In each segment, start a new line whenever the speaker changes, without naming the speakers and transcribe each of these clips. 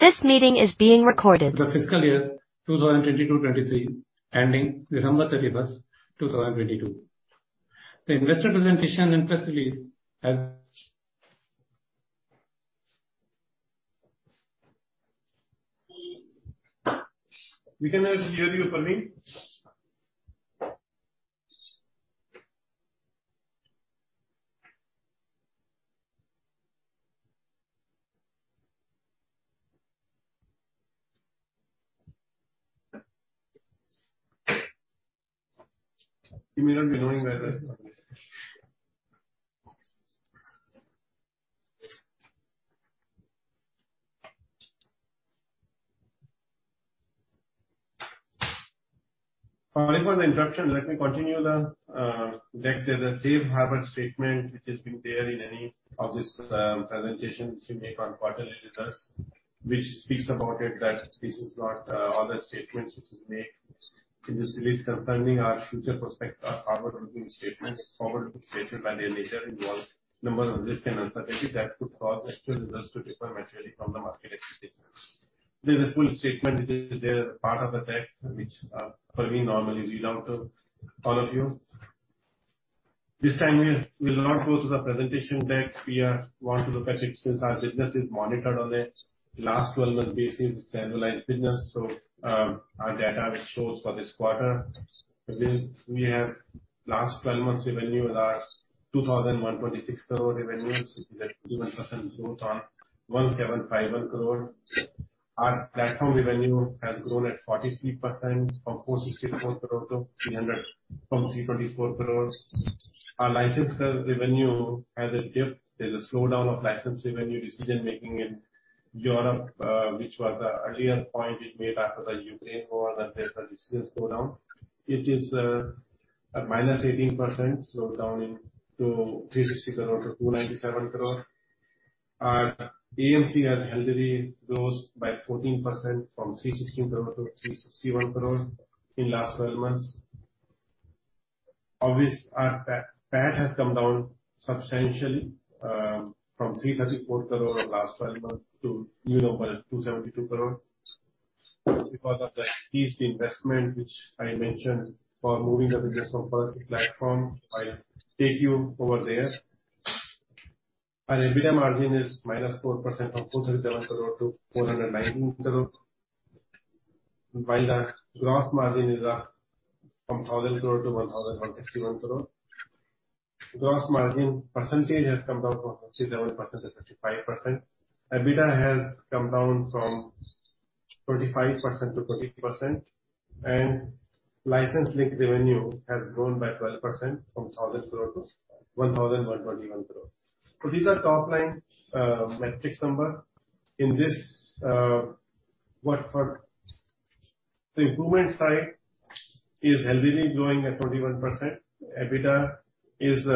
This meeting is being recorded.
The fiscal years 2022-2023, ending December 31st, 2022. The investor presentation and facilities. We cannot hear you, Praveen. You may not be knowing whether it's. Sorry for the interruption. Let me continue the deck. There's a safe harbor statement which has been there in any of these presentations we make on quarterly results, which speaks about it that this is not all the statements which is made in this release concerning our future prospect or forward-looking statements. Forward-looking statements by their nature involve number of risks and uncertainties that could cause actual results to differ materially from the market expectations. There's a full statement which is there as part of the deck, which Praveen normally read out to all of you. This time we'll not go through the presentation deck. We want to look at it since our business is monitored on a last 12-month basis, it's annualized business. Our data which shows for this quarter. Again, we have last 12 months revenue, last 2,026 crore revenues, which is a 21% growth on 1,751 crore. Our platform revenue has grown at 43% from 464 crore-324 crore. Our license revenue has a dip. There's a slowdown of license revenue decision-making in Europe, which was the earlier point we made after the Ukraine war that there's a decision slowdown. It is at -18%, so down in to 360 crore-297 crore. Our AMC has healthy growth by 14% from 316 crore-361 crore in last 12 months. Obviously, our PAT has come down substantially from 334 crore of LTM to mere number 272 crore because of the increased investment which I mentioned for moving the business software to platform. I'll take you over there. Our EBITDA margin is minus 4% from 437 crore-419 crore. While the gross margin is from 1,000 crore-1,061 crore. Gross margin percentage has come down from 57% to 55%. EBITDA has come down from 25%-20%, and license link revenue has grown by 12% from 1,000 crore to 1,021 crore. These are top line metrics number. In this, The improvement side is healthy growing at 21%. EBITDA is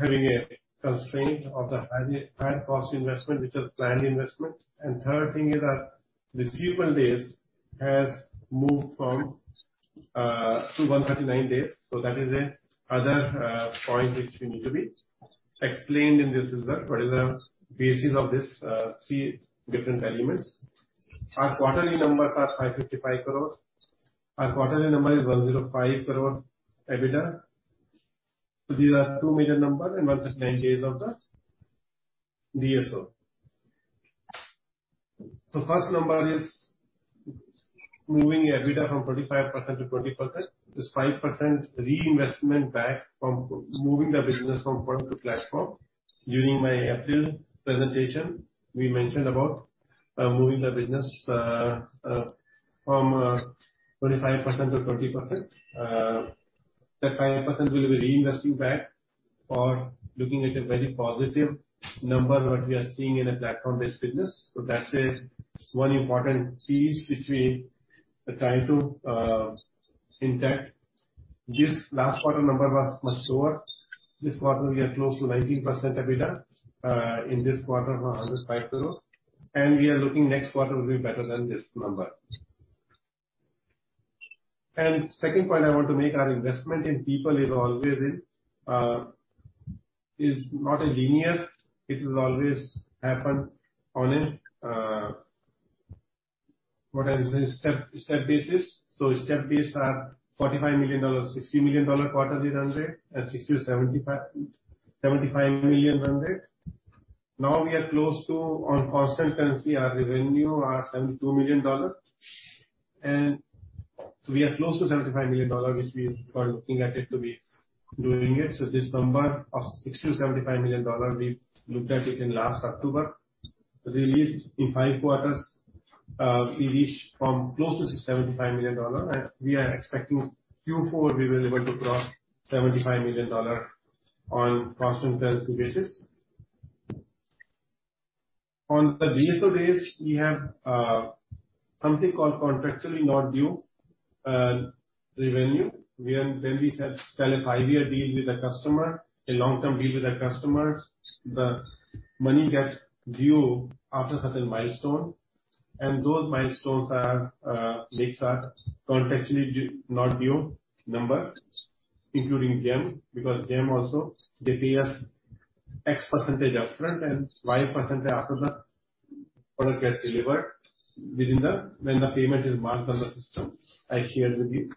having a constraint of the high cost investment, which was planned investment. Third thing is that the [inaudible] sequel days has moved from 2,139 days. That is a other point which we need to be explained in this result. What is the basis of this three different elements? Our quarterly numbers are 555 crore. Our quarterly number is 105 crore EBITDA. These are two major numbers and 139 days of the DSO. The first number is moving EBITDA from 25%-20%. This 5% reinvestment back from moving the business from front to platform. During my April presentation, we mentioned about moving the business from 25%-20%.That 5% will be reinvesting back or looking at a very positive number what we are seeing in a platform-based business. That's one important piece which we are trying to intact. This last quarter number was much lower. This quarter we are close to 19% EBITDA in this quarter for 105 crore. We are looking next quarter will be better than this number. Second point I want to make, our investment in people is always in is not a linear. It is always happen on a what I would say, step basis. Step base are $45 million, $60 million quarterly run rate at $60 million-$75 million run rate. Now we are close to, on constant currency, our revenue, our $72 million. We are close to $75 million, which we are looking at it to be doing it. This number of $60 million-$75 million, we looked at it in last October. Released in five quarters, we reach from close to $75 million and we are expecting Q4 we will able to cross $75 million on constant currency basis. On the DSO days, we have something called contractually not due revenue. When we sell a five-year deal with a customer, a long-term deal with a customer, the money get due after certain milestone. And those milestones are makes our contractually not due number, including GeM, because GeM also they pay us X% upfront and Y% after the product gets delivered. When the payment is marked on the system, I shared with you.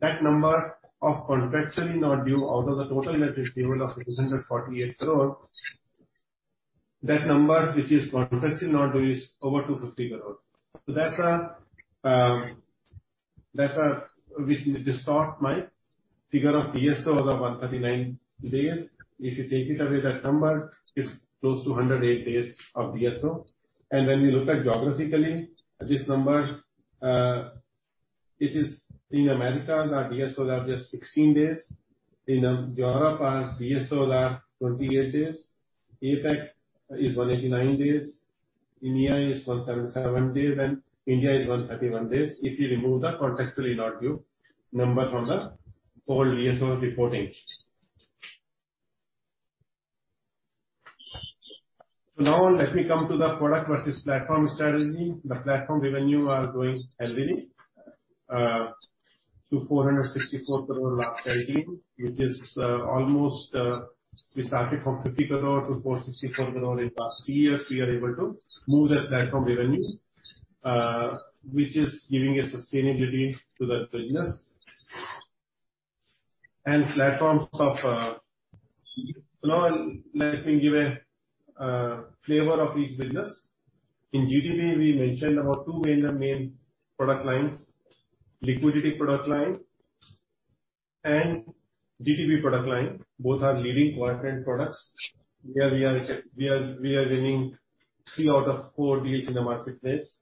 That number of contractually not due out of the total that is due of 248 crore, that number which is contractually not due is over 250 crore. That's a... Which will distort my figure of DSO of 139 days. If you take it away, that number is close to 108 days of DSO. When we look at geographically, this number, it is in Americas our DSOs are just 16 days, in Europe our DSOs are 28 days, APAC is 189 days, EMEA is 177 days, and India is 131 days, if you remove the contractually not due number from the whole DSO reporting. Now let me come to the product versus platform strategy. The platform revenue are growing healthy to 464 crore last 13, which is almost we started from 50 crore to 464 crore. In past three years we are able to move that platform revenue, which is giving a sustainability to that business. Now let me give a flavor of each business. In iGTB, we mentioned about two main product lines, liquidity product line and iGTB product line. Both are leading core front products, where we are winning three out of four deals in the marketplace.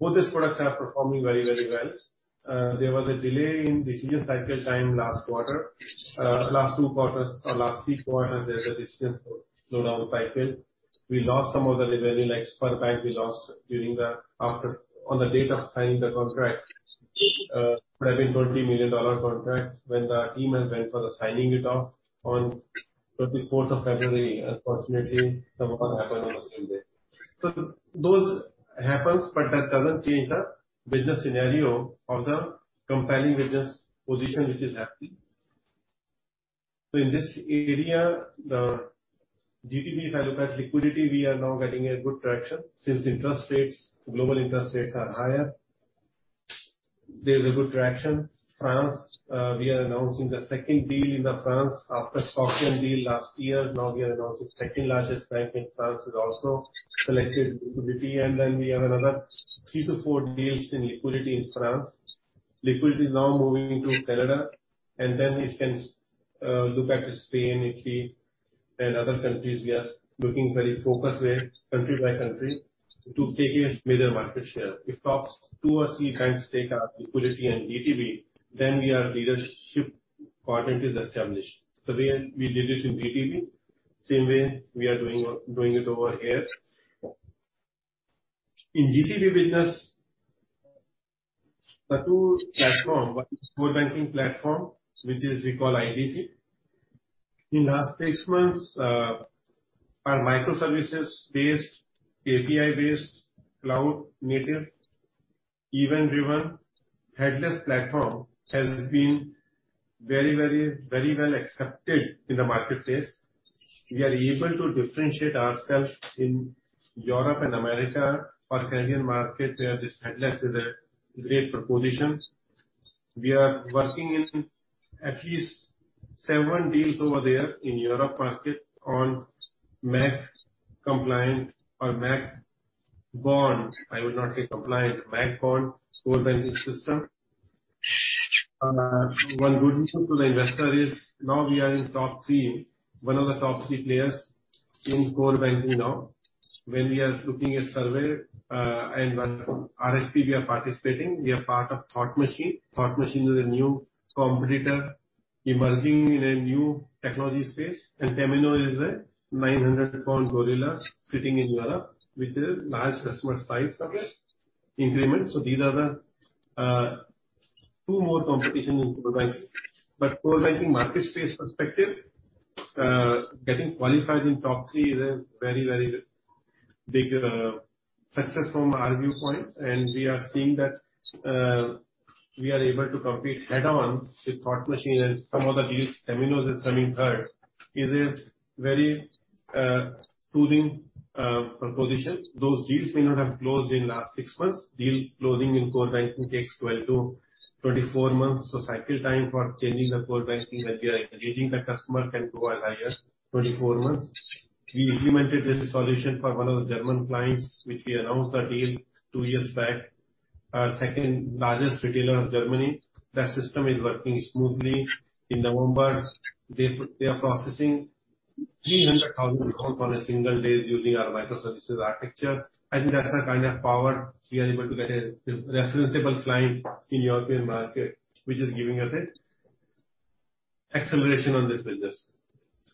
Both these products are performing very, very well. There was a delay in decision cycle time last quarter. Last two quarters or last three quarters, there was a decision slow down cycle. We lost some of the revenue, like Sberbank, we lost after, on the date of signing the contract. would have been $20 million contract when the team had went for the signing it off on 24th of February. Unfortunately, the war happened on the same day. Those happens, but that doesn't change the business scenario or the compelling business position which is happy. In this area, the iGTB, if I look at liquidity, we are now getting a good traction since interest rates, global interest rates are higher. There is a good traction. France, we are announcing the second deal in the France after Société Générale last year. Now we are announcing second largest bank in France has also selected liquidity. We have another 3-4 deals in liquidity in France. Liquidity is now moving into Canada. We can look at Spain and other countries. We are looking very focused way, country by country, to take a major market share. If top two or three banks take our liquidity and GDB, we are leadership quadrant is established. We did it in GDB, same way we are doing it over here. In DCB business, the two platform, one is core banking platform, which is we call IBC. In last six months, our microservices based, API based, cloud native, event driven, headless platform has been very well accepted in the marketplace. We are able to differentiate ourselves in Europe and America or Canadian market, this headless is a great proposition. We are working in at least seven deals over there in Europe market on MiCAR compliant or MiCAR born, I would not say compliant, MiCAR born core banking system. One good news to the investor is now we are in top three, one of the top three players in core banking now. When we are looking at survey, and when RFP we are participating, we are part of Thought Machine. Thought Machine is a new competitor emerging in a new technology space, and Temenos is a 900 pound gorilla sitting in Europe with a large customer size of it, increments. These are the two more competition in core banking. Core banking market space perspective, getting qualified in top three is a very, very big success from our viewpoint. We are seeing that we are able to compete head on with Thought Machine and some other deals. Temenos is coming third. It is very soothing proposition. Those deals may not have closed in last six months. Deal closing in core banking takes 12-24 months. Cycle time for changing the core banking that we are engaging the customer can go as high as 24 months. We implemented this solution for one of the German clients, which we announced the deal two years back. Our second largest retailer of Germany, that system is working smoothly. In November, they are processing 300,000 calls on a single day using our microservices architecture. I think that's the kind of power we are able to get a referenceable client in European market, which is giving us acceleration on this business.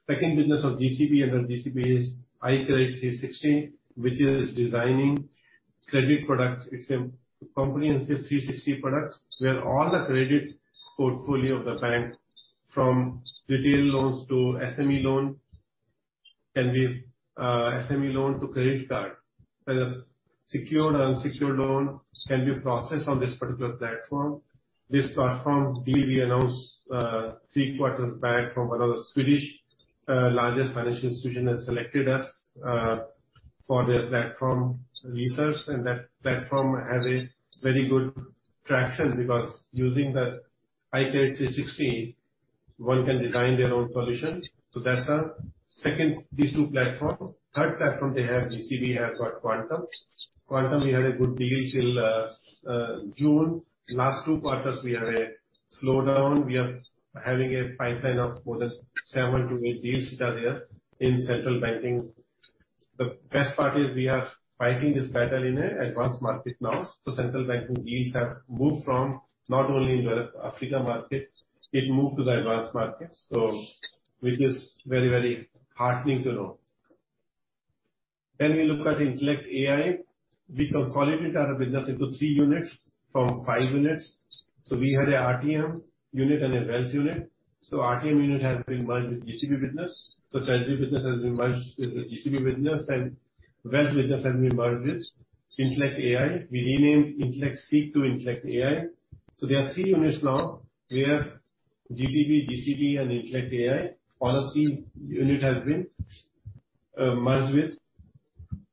Second business of DCB under DCB is iCredit 360, which is designing credit products. It's a comprehensive 360 products, where all the credit portfolio of the bank, from retail loans to SME loan can be, SME loan to credit card, secured unsecured loan can be processed on this particular platform. This platform, we announced three quarters back from one of the Swedish largest financial institution has selected us for their platform research. That platform has a very good traction because using the iCredit 360, one can design their own solutions. That's second, these two platform. Third platform they have, iGCB has got Quantum. Quantum, we had a good deal till June. Last two quarters we have a slowdown. We are having a pipeline of more than 7-8 deals which are there in central banking. The best part is we are fighting this battle in a advanced market now. Central banking deals have moved from not only in the Africa market, it moved to the advanced market. Which is very, very heartening to know. We look at IntellectAI. We consolidated our business into three units from five units. We had a RTM unit and a wealth unit. RTM unit has been merged with iGCB business. Treasury business has been merged with iGCB business and wealth business has been merged with IntellectAI. We renamed Intellect SEEC to IntellectAI. There are three units now. We have iGTB, iGCB and IntellectAI. All of the unit has been merged with.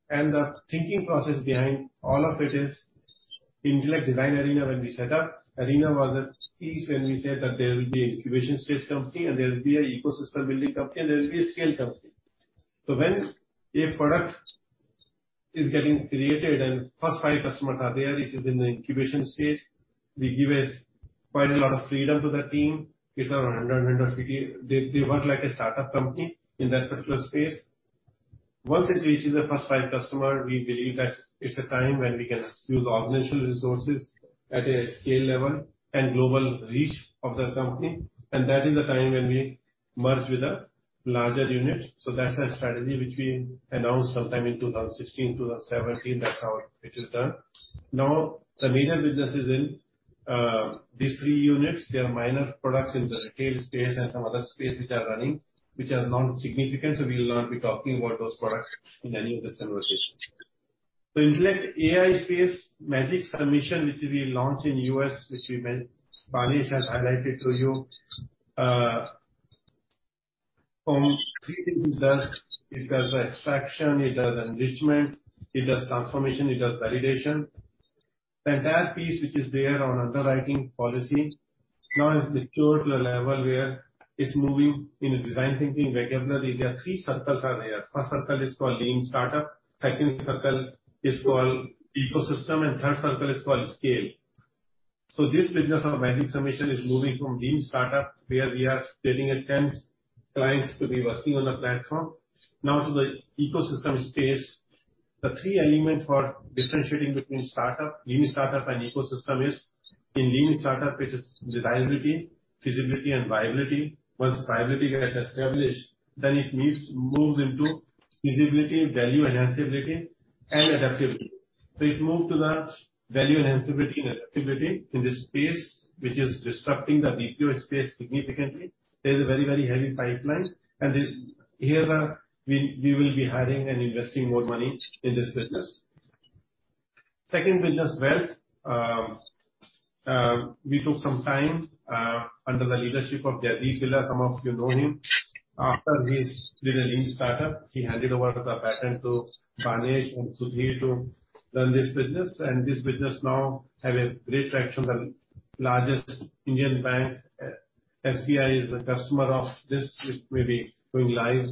The thinking process behind all of it is Intellect Design Arena when we set up. Arena was a piece when we said that there will be incubation stage company and there will be an ecosystem building company and there will be a scale company. When a product is getting created and first five customers are there, which is in the incubation stage, we give a quite a lot of freedom to the team. It's around 150. They work like a start-up company in that particular space. Once it reaches a first five customer, we believe that it's a time when we can use organizational resources at a scale level and global reach of the company, and that is the time when we merge with a larger unit. That's our strategy which we announced sometime in 2016, 2017. That's how it is done. Now, the major business is in these three units. There are minor products in the retail space and some other space which are running, which are non-significant, so we will not be talking about those products in any of this conversation. The IntellectAI space, Magic Submission, which we launched in the U.S., which Ganesh has highlighted to you. From it does extraction, it does enrichment, it does transformation, it does validation. That piece which is there on underwriting policy now has matured to a level where it's moving in a design thinking where generally we have three circles are there. First circle is called lean startup, second circle is called ecosystem, and third circle is called scale. This business of Magic Submission is moving from lean startup, where we are getting 10 clients to be working on the platform. Now to the ecosystem space. The three element for differentiating between startup, lean startup and ecosystem is in lean startup, it is desirability, feasibility and viability. Once viability gets established, then it moves into feasibility, value enhanceability, and adaptability. It move to the value enhanceability and adaptability in the space which is disrupting the BPO space significantly. There's a very heavy pipeline. We will be hiring and investing more money in this business. Second business, wealth. We took some time under the leadership of Arun Jain, some of you know him. After his little lean startup, he handed over the baton to Ganesh and Sudhir to run this business. This business now have a great traction. The largest Indian bank, SBI is a customer of this, which may be going live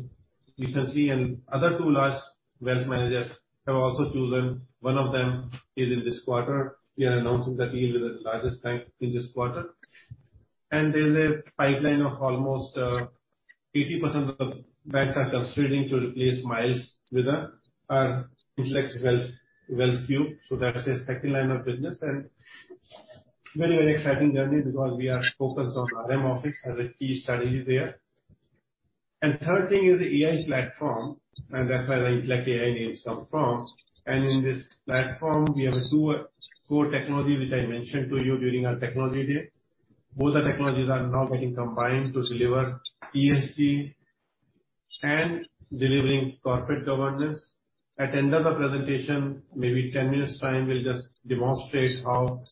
recently, and other two large wealth managers have also chosen. One of them is in this quarter. We are announcing the deal with the largest bank in this quarter. There's a pipeline of almost 80% of banks are considering to replace Miles with our Intellect Wealth Qube. That's a second line of business and very exciting journey because we are focused on RM Office as a key strategy there. Third thing is AI platform, and that's where the IntellectAI name comes from. In this platform, we have a two core technology which I mentioned to you during our technology day. Both the technologies are now getting combined to deliver ESG and delivering corporate governance. At end of the presentation, maybe 10 minutes time, we'll just demonstrate how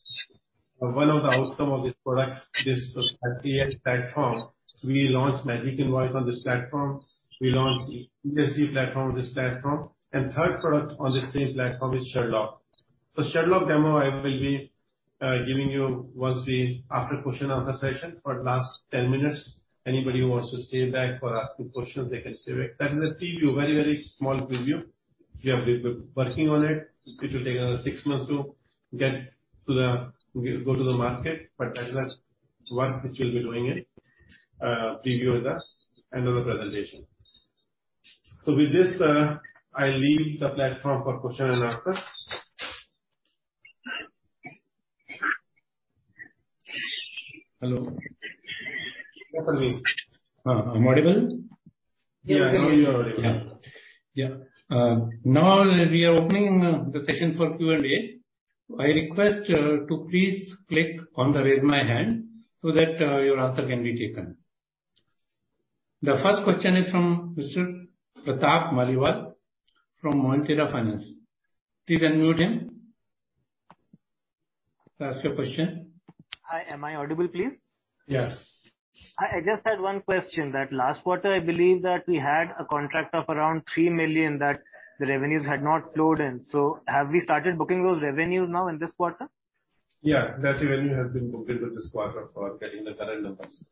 one of the outcome of this product, this IntellectAI platform, we launched Magic Invoice on this platform. We launched ESG platform on this platform. Third product on the same platform is Sherlock. Sherlock demo I will be giving you once after question and answer session for last 10 minutes. Anybody who wants to stay back for asking questions, they can stay back. That is a preview, very, very small preview. We have been working on it. It will take another six months to get to the market, but that is a work which we'll be doing a preview at the end of the presentation. With this, I leave the platform for question and answer.
Hello.
Yes, Sunil.
Am I audible?
Yeah, now we are opening the session for Q&A. I request to please click on the Raise my hand so that your answer can be taken.
The first question is from Mr. Pratap Maliwal from Mount Intra Finance. Please unmute him to ask your question.
Hi, am I audible, please?
Yes.
I just had one question that last quarter, I believe that we had a contract of around $3 million that the revenues had not flowed in. Have we started booking those revenues now in this quarter?
Yeah, that revenue has been booked into this quarter for getting the current numbers.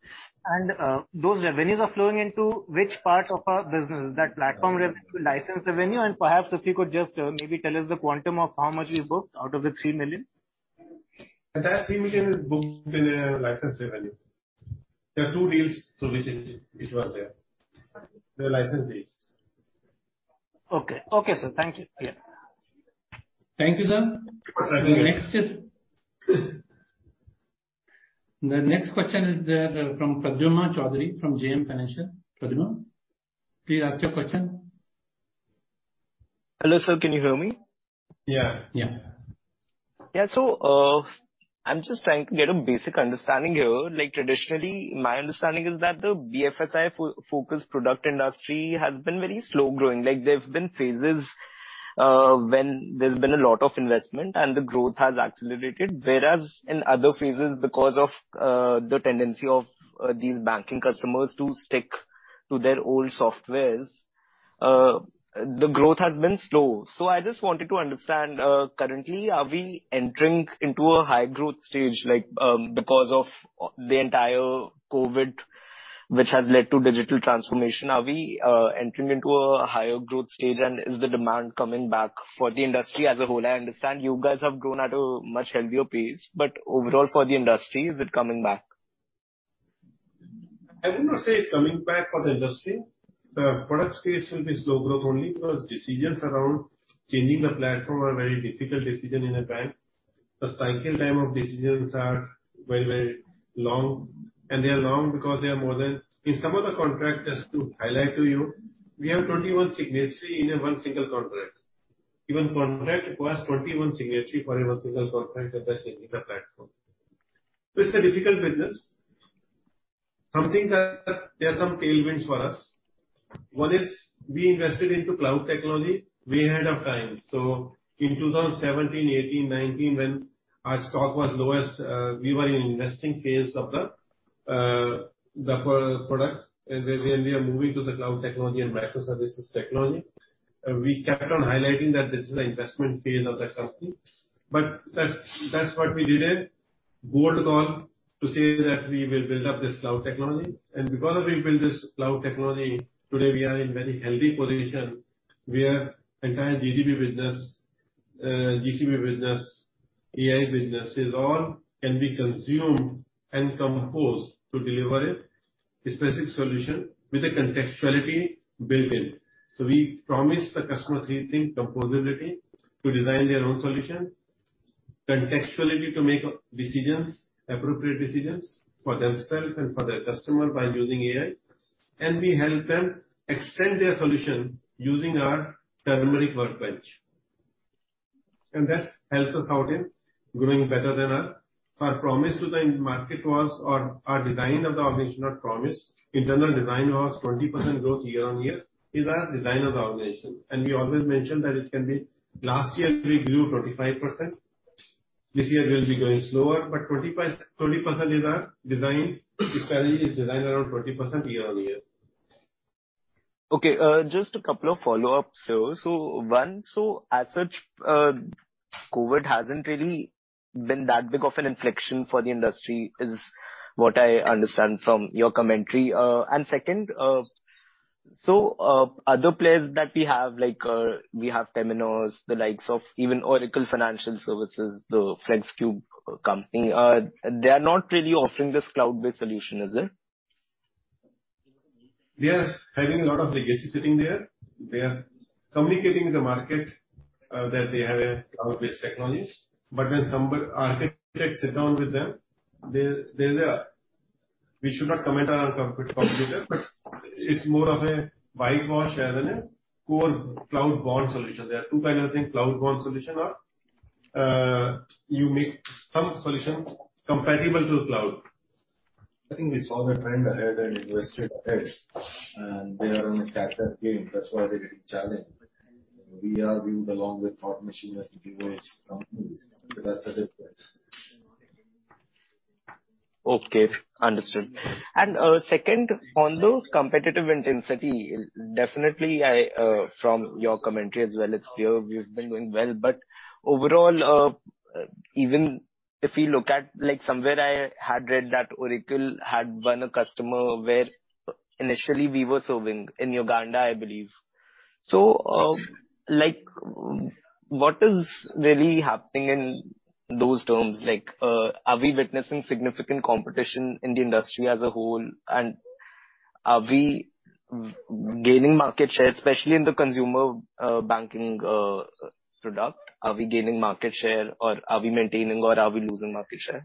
Those revenues are flowing into which part of our business, is that platform revenue, license revenue? Perhaps if you could just, maybe tell us the quantum of how much we've booked out of the $3 million.
That $3 million is booked in the license revenue. There are deals through which it was there. They are license deals.
Okay. Okay, sir. Thank you. Yeah.
Thank you, sir.
Thank you.
The next question is there from Pradyuman Chaudhary from JM Financial. Pradyuman, please ask your question.
Hello, sir. Can you hear me?
Yeah.
Yeah.
Yeah. I'm just trying to get a basic understanding here. Like, traditionally, my understanding is that the BFSI focused product industry has been very slow growing. Like, there have been phases, when there's been a lot of investment and the growth has accelerated, whereas in other phases, because of the tendency of these banking customers to stick to their old softwares, the growth has been slow. I just wanted to understand, currently are we entering into a high growth stage like, because of the entire COVID, which has led to digital transformation. Are we entering into a higher growth stage and is the demand coming back for the industry as a whole? I understand you guys have grown at a much healthier pace, overall for the industry, is it coming back?
I wouldn't say it's coming back for the industry. The products case will be slow growth only because decisions around changing the platform are very difficult decision in a bank. The cycle time of decisions are very, very long, and they are long because they are more than... In some of the contracts, just to highlight to you, we have 21 signatory in a one single contract. Even contract requires 21 signatory for a 1 single contract that are changing the platform. It's a difficult business. Something that there are some tailwinds for us. One is we invested into cloud technology way ahead of time. In 2017, 2018, 2019, when our stock was lowest, we were in investing phase of the product, and we, and we are moving to the cloud technology and microservices technology. We kept on highlighting that this is an investment phase of the company. That's what we did it. Board has gone to say that we will build up this cloud technology. Because we built this cloud technology, today we are in very healthy position where entire iGCB business, iGCB business, AI business is all can be consumed and composed to deliver a specific solution with a contextuality built in. We promise the customer three things: composability to design their own solution, contextually to make decisions, appropriate decisions for themselves and for their customer by using AI, and we help them extend their solution using our iTurmeric workbench. That's helped us out in growing better than our. Our promise to the market was or our design of the organization, not promise. Internal design was 20% growth year-on-year is our design of the organization. We always mentioned that it can be... Last year we grew 25%. This year we'll be growing slower, but 25%, 20% is our design. This value is designed around 20% year-on-year.
Okay, just a couple of follow-ups, sir. As such, COVID hasn't really been that big of an inflection for the industry is what I understand from your commentary. Second, other players that we have, like, we have Temenos, the likes of even Oracle Financial Services, the Oracle FLEXCUBE company, they are not really offering this cloud-based solution, is it?
They are having a lot of legacy sitting there. They are communicating the market, that they have a cloud-based technologies. When some architects sit down with them, We should not comment on our competitor, but it's more of a whitewash rather than a core cloud-born solution. There are two kinds of things, cloud-born solution or, you make some solution compatible to cloud. I think we saw the trend ahead and invested ahead, they are on a catch-up game. That's why they're getting challenged. We are viewed along with Thought Machine as the leaders companies. That's the difference.
Okay, understood. Second, on the competitive intensity, definitely I, from your commentary as well, it's clear we've been doing well. Overall, even if you look at, like somewhere I had read that Oracle had won a customer where initially we were serving in Uganda, I believe. What is really happening in those terms? Are we witnessing significant competition in the industry as a whole? Are we gaining market share, especially in the consumer banking product? Are we gaining market share or are we maintaining or are we losing market share?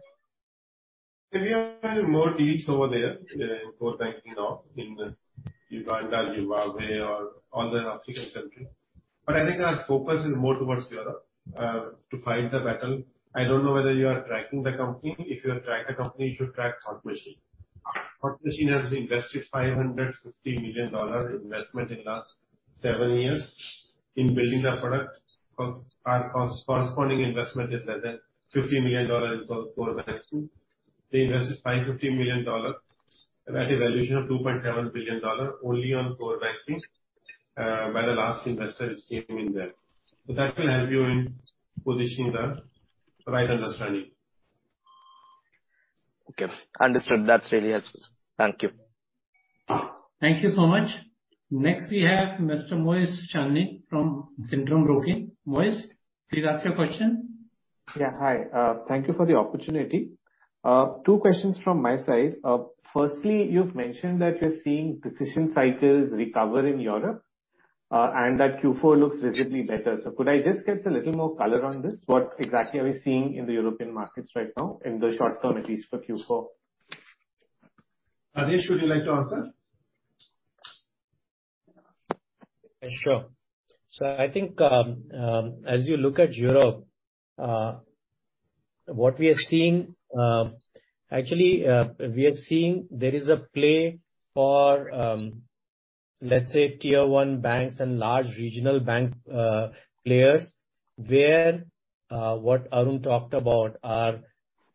We have more deals over there in core banking now in Uganda, Zimbabwe or other African country. I think our focus is more towards Europe to fight the battle. I don't know whether you are tracking the company. If you track the company, you should track Thought Machine. Thought Machine has invested $550 million investment in last seven years in building their product. Our corresponding investment is less than $50 million for core banking. They invested $550 million at a valuation of $2.7 billion only on core banking by the last investors came in there. That will help you in positioning the right understanding.
Okay. Understood. That's really helpful. Thank you.
Thank you so much. Next, we have Mr. Mohit Chandnani from Centrum Broking. Mohit, please ask your question.
Yeah. Hi, thank you for the opportunity. Two questions from my side. Firstly, you've mentioned that you're seeing decision cycles recover in Europe, and that Q4 looks rigidly better. Could I just get a little more color on this? What exactly are we seeing in the European markets right now in the short term, at least for Q4?
Banesh, would you like to answer?
Sure. I think, as you look at Europe, what we are seeing. Actually, we are seeing there is a play for, let's say tier one banks and large regional bank players where, what Arun talked about, our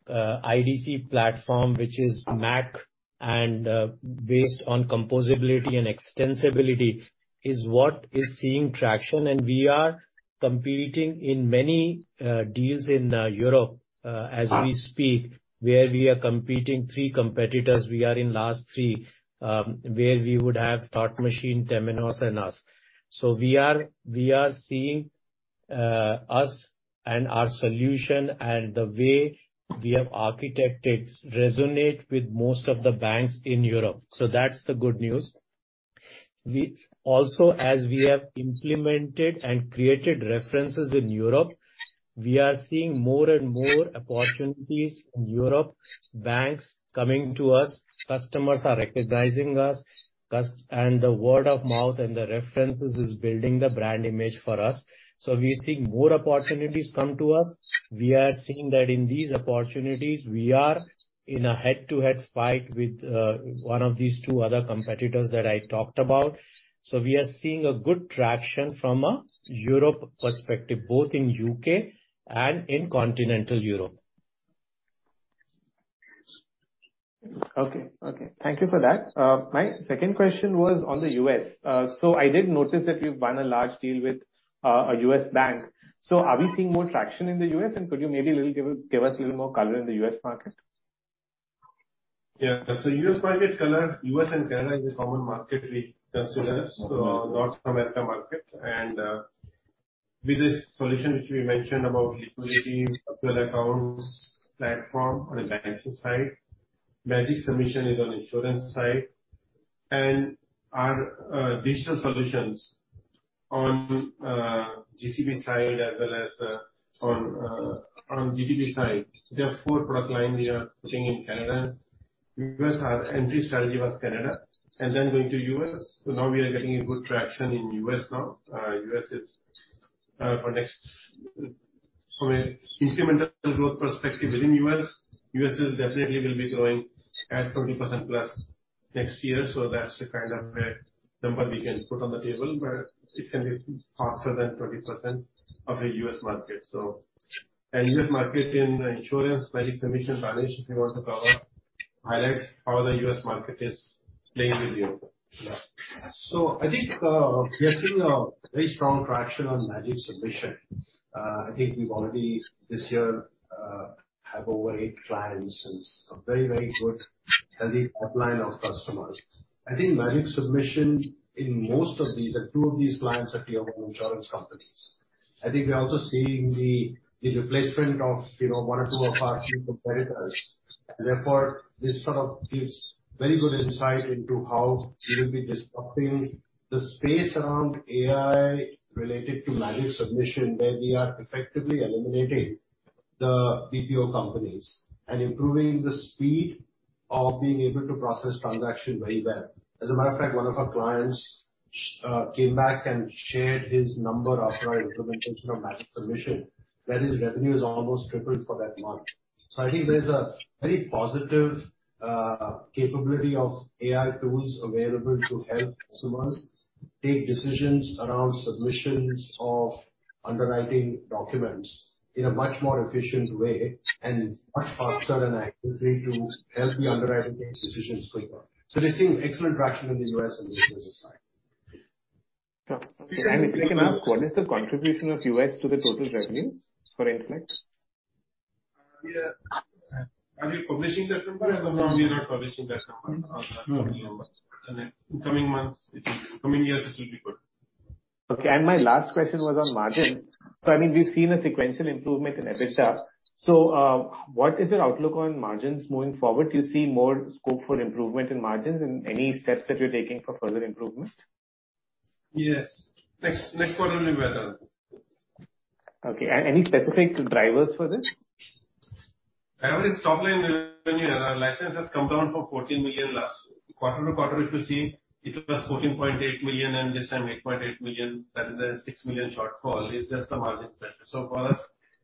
eMACH.ai platform, which is Mac and based on composability and extensibility, is what is seeing traction. And we are competing in many deals in Europe, as we speak, where we are competing three competitors. We are in last three, where we would have Thought Machine, Temenos and us. We are seeing us and our solution and the way we have architected resonate with most of the banks in Europe. That's the good news. Also, as we have implemented and created references in Europe, we are seeing more and more opportunities in Europe, banks coming to us, customers are recognizing us, and the word of mouth and the references is building the brand image for us. We are seeing more opportunities come to us. We are seeing that in these opportunities, we are in a head-to-head fight with one of these two other competitors that I talked about. We are seeing a good traction from a Europe perspective, both in UK and in continental Europe.
Okay. Okay. Thank you for that. My second question was on the U.S. I did notice that you've won a large deal with a US bank. Are we seeing more traction in the U.S. and could you maybe give us a little more color in the US market?
Yeah. US market color, U.S. and Canada is a common market we consider. North America market and with this solution which we mentioned about liquidity, sub accounts platform on a banking side. Magic Submission is on insurance side. Our digital solutions on GCP side as well as on on GDB side. There are four product line we are pushing in Canada. U.S., our entry strategy was Canada and then going to U.S. Now we are getting a good traction in U.S. now. From an incremental growth perspective within U.S., U.S. will definitely be growing at 20%+ next year. That's the kind of a number we can put on the table, but it can be faster than 20% of the US market.US market in insurance, Magic Submission, Danish, if you want to cover, highlight how the US market is playing with you.
I think we are seeing a very strong traction on Magic Submission. I think we've already this year have over eight clients and a very, very good healthy pipeline of customers. I think Magic Submission in most of these, two of these clients are Tier 1 insurance companies. I think we are also seeing the replacement of, you know, one or two of our key competitors. This sort of gives very good insight into how we will be disrupting the space around AI related to Magic Submission, where we are effectively eliminating the BPO companies and improving the speed of being able to process transaction very well. As a matter of fact, one of our clients came back and shared his number after our implementation of Magic Submission. That is, revenue is almost tripled for that month. I think there's a very positive capability of AI tools available to help customers take decisions around submissions of underwriting documents in a much more efficient way and much faster and accurate way to help the underwriting team's decisions quicker. We're seeing excellent traction in the U.S. on this side.
If I can ask, what is the contribution of U.S. to the total revenue for Intellect?
Yeah. Are we publishing that number or no?
No, we are not publishing that number.
Mm-hmm. Mm.
In the coming months. In the coming years, it will be good.
Okay. My last question was on margins. I mean, we've seen a sequential improvement in EBITDA. What is your outlook on margins moving forward? Do you see more scope for improvement in margins and any steps that you're taking for further improvement?
Yes. Next quarter will be better.
Okay. Any specific drivers for this?
I mean, it's top line revenue. Our license has come down from 14 million last quarter to quarter if you see, it was 14.8 million, and this time 8.8 million. That is a 6 million shortfall. It's just the margin pressure. For us,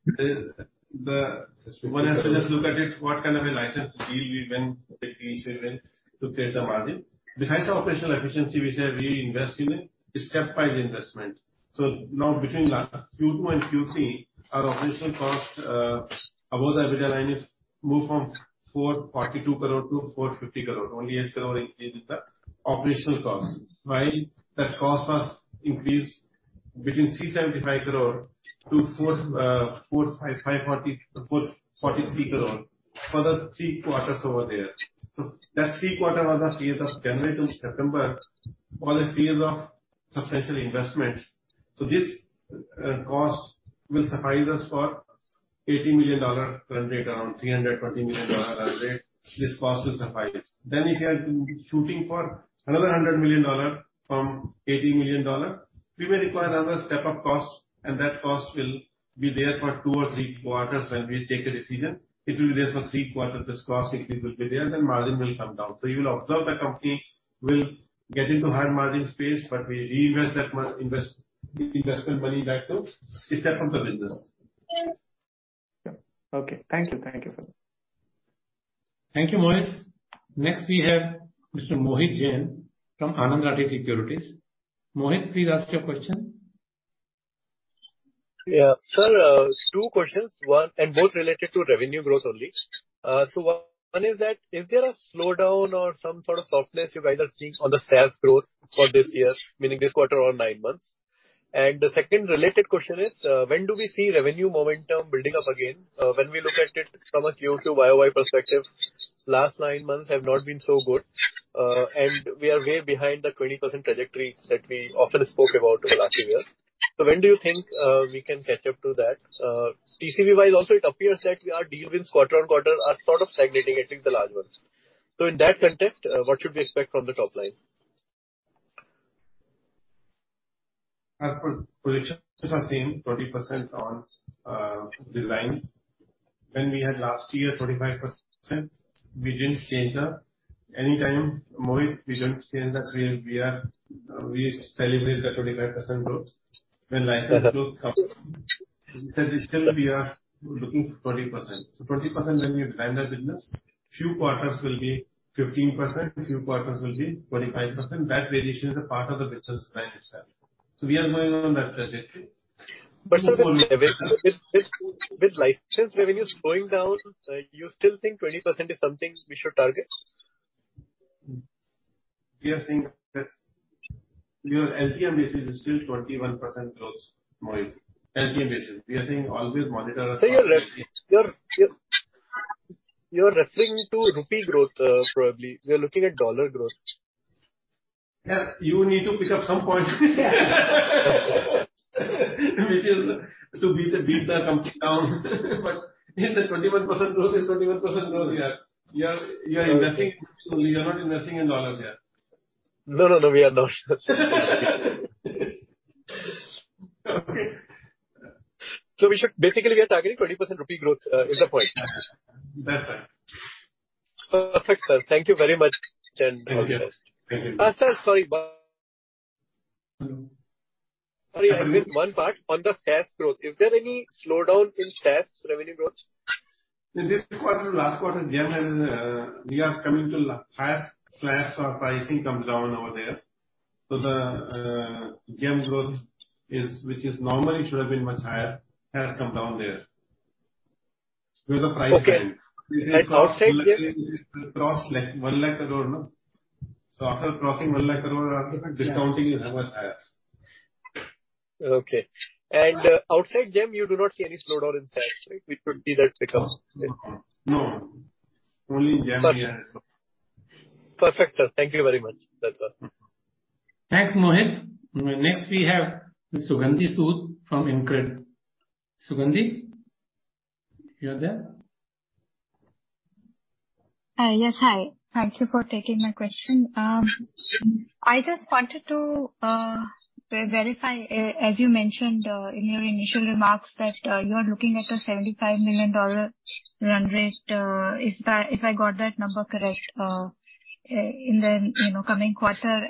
the one has to just look at it, what kind of a license deal we win, techniques we win to create the margin. Behind the operational efficiency which we invest in, is step five investment. Now between last Q2 and Q3, our operational cost above the EBITDA line is moved from 442 crore-450 crore. Only 8 crore increased the operational cost. While that cost was increased between 375 crore-443 crore for the three quarters over there. That three quarter was the period of January to September, was a period of substantial investments. This cost will suffice us for $80 million run rate, around $340 million run rate. This cost will suffice us. If we are shooting for another $100 million from $80 million, we may require another step-up cost, and that cost will be there for two or three quarters when we take a decision. It will be there for three quarters. This cost increase will be there, margin will come down. You will observe the company will get into higher margin space, but we reinvest that investment money back to step up the business.
Okay. Thank you. Thank you, sir.
Thank you, Mohit. Next we have Mr. Mohit Jain from Anand Rathi Securities. Mohit, please ask your question.
Yeah. Sir, two questions. One and both related to revenue growth only. One is that is there a slowdown or some sort of softness you guys are seeing on the SaaS growth for this year, meaning this quarter or nine months? The second related question is, when do we see revenue momentum building up again? When we look at it from a Q2 year-over-year perspective, last nine months have not been so good. We are way behind the 20% trajectory that we often spoke about over last year. When do you think, we can catch up to that? TCV wise also it appears that our deal wins quarter-on-quarter are sort of stagnating, at least the large ones. In that context, what should we expect from the top line?
Our projections are same, 20% on design. When we had last year 45%, we didn't change. Anytime, Mohit, we don't change the trail we are. We celebrate the 25% growth. When license growth comes that is still we are looking for 20%.20% when we plan the business, few quarters will be 15%, few quarters will be 25%. That variation is a part of the business plan itself. We are moving on that trajectory.
Sir with license revenue slowing down, you still think 20% is something we should target?
We are seeing that your LTM basis is still 21% growth, Mohit. LTM basis. We are seeing always monitor our.
Sir, you're referring to rupee growth, probably. We are looking at dollar growth.
Yeah. You need to pick up some point. Which is to beat the company down. If the 21% growth is 21% growth, yeah. You're investing in rupees only, you're not investing in dollars yet.
No, no. We are not.
Okay.
Basically we are targeting 20% rupee growth, is the point.
That's right.
Perfect, sir. Thank you very much. Sir, sorry.
Hello?
Sorry, I missed one part. On the SaaS growth, is there any slowdown in SaaS revenue growth?
In this quarter, last quarter, GeM has, we are coming to fast flash or pricing comes down over there. The GeM growth is, which is normally should have been much higher, has come down there. Due to price line.
Okay. Outside GeM?
cross INR 1 lakh a year now. After crossing 1 lakh a year, our discounting is much higher.
Okay. Outside GeM you do not see any slowdown in SaaS, right? We could see that because-
No. Only GeM we have so.
Perfect, sir. Thank you very much. That's all.
Thanks, Mohit. Next we have Sugandi Sood from InCred. Sugandi, you're there?
Yes. Hi. Thank you for taking my question. I just wanted to verify, as you mentioned in your initial remarks that you are looking at a $75 million run rate, if I got that number correct, in the coming quarter.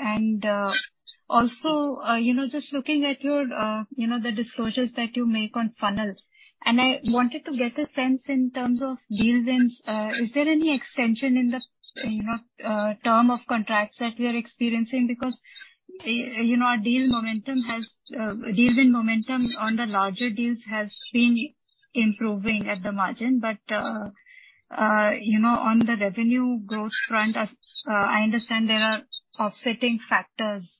Also, just looking at your disclosures that you make on funnel. I wanted to get a sense in terms of deal wins, is there any extension in the term of contracts that we are experiencing? Because our deal win momentum on the larger deals has been improving at the margin. On the revenue growth front, I understand there are offsetting factors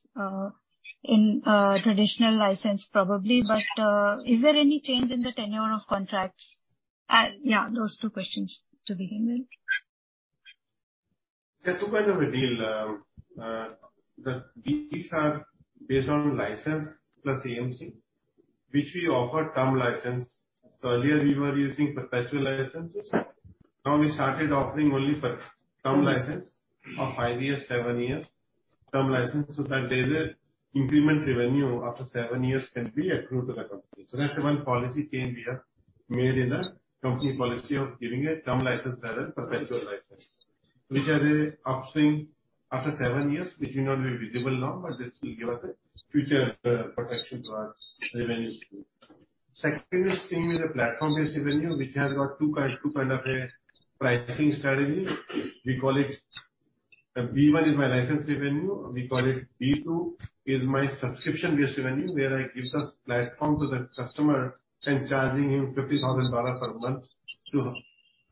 in traditional license probably. Is there any change in the tenure of contracts? Yeah, those two questions to begin with.
There are two kind of a deal. These are based on license plus AMC, which we offer term license. Earlier we were using perpetual licenses. Now we started offering only term license of five years, seven years. That there's a increment revenue after seven years can be accrued to the company. That's the one policy change we have made in the company policy of giving a term license rather than perpetual license. Which has a upstream after seven years, which may not be visible now, but this will give us a future protection to our revenues. Secondly thing is a platform-based revenue which has got two kind of a pricing strategy. We call it, V1 is my license revenue. We call it V two is my subscription-based revenue, where I give the platform to the customer and charging him $50,000 per month to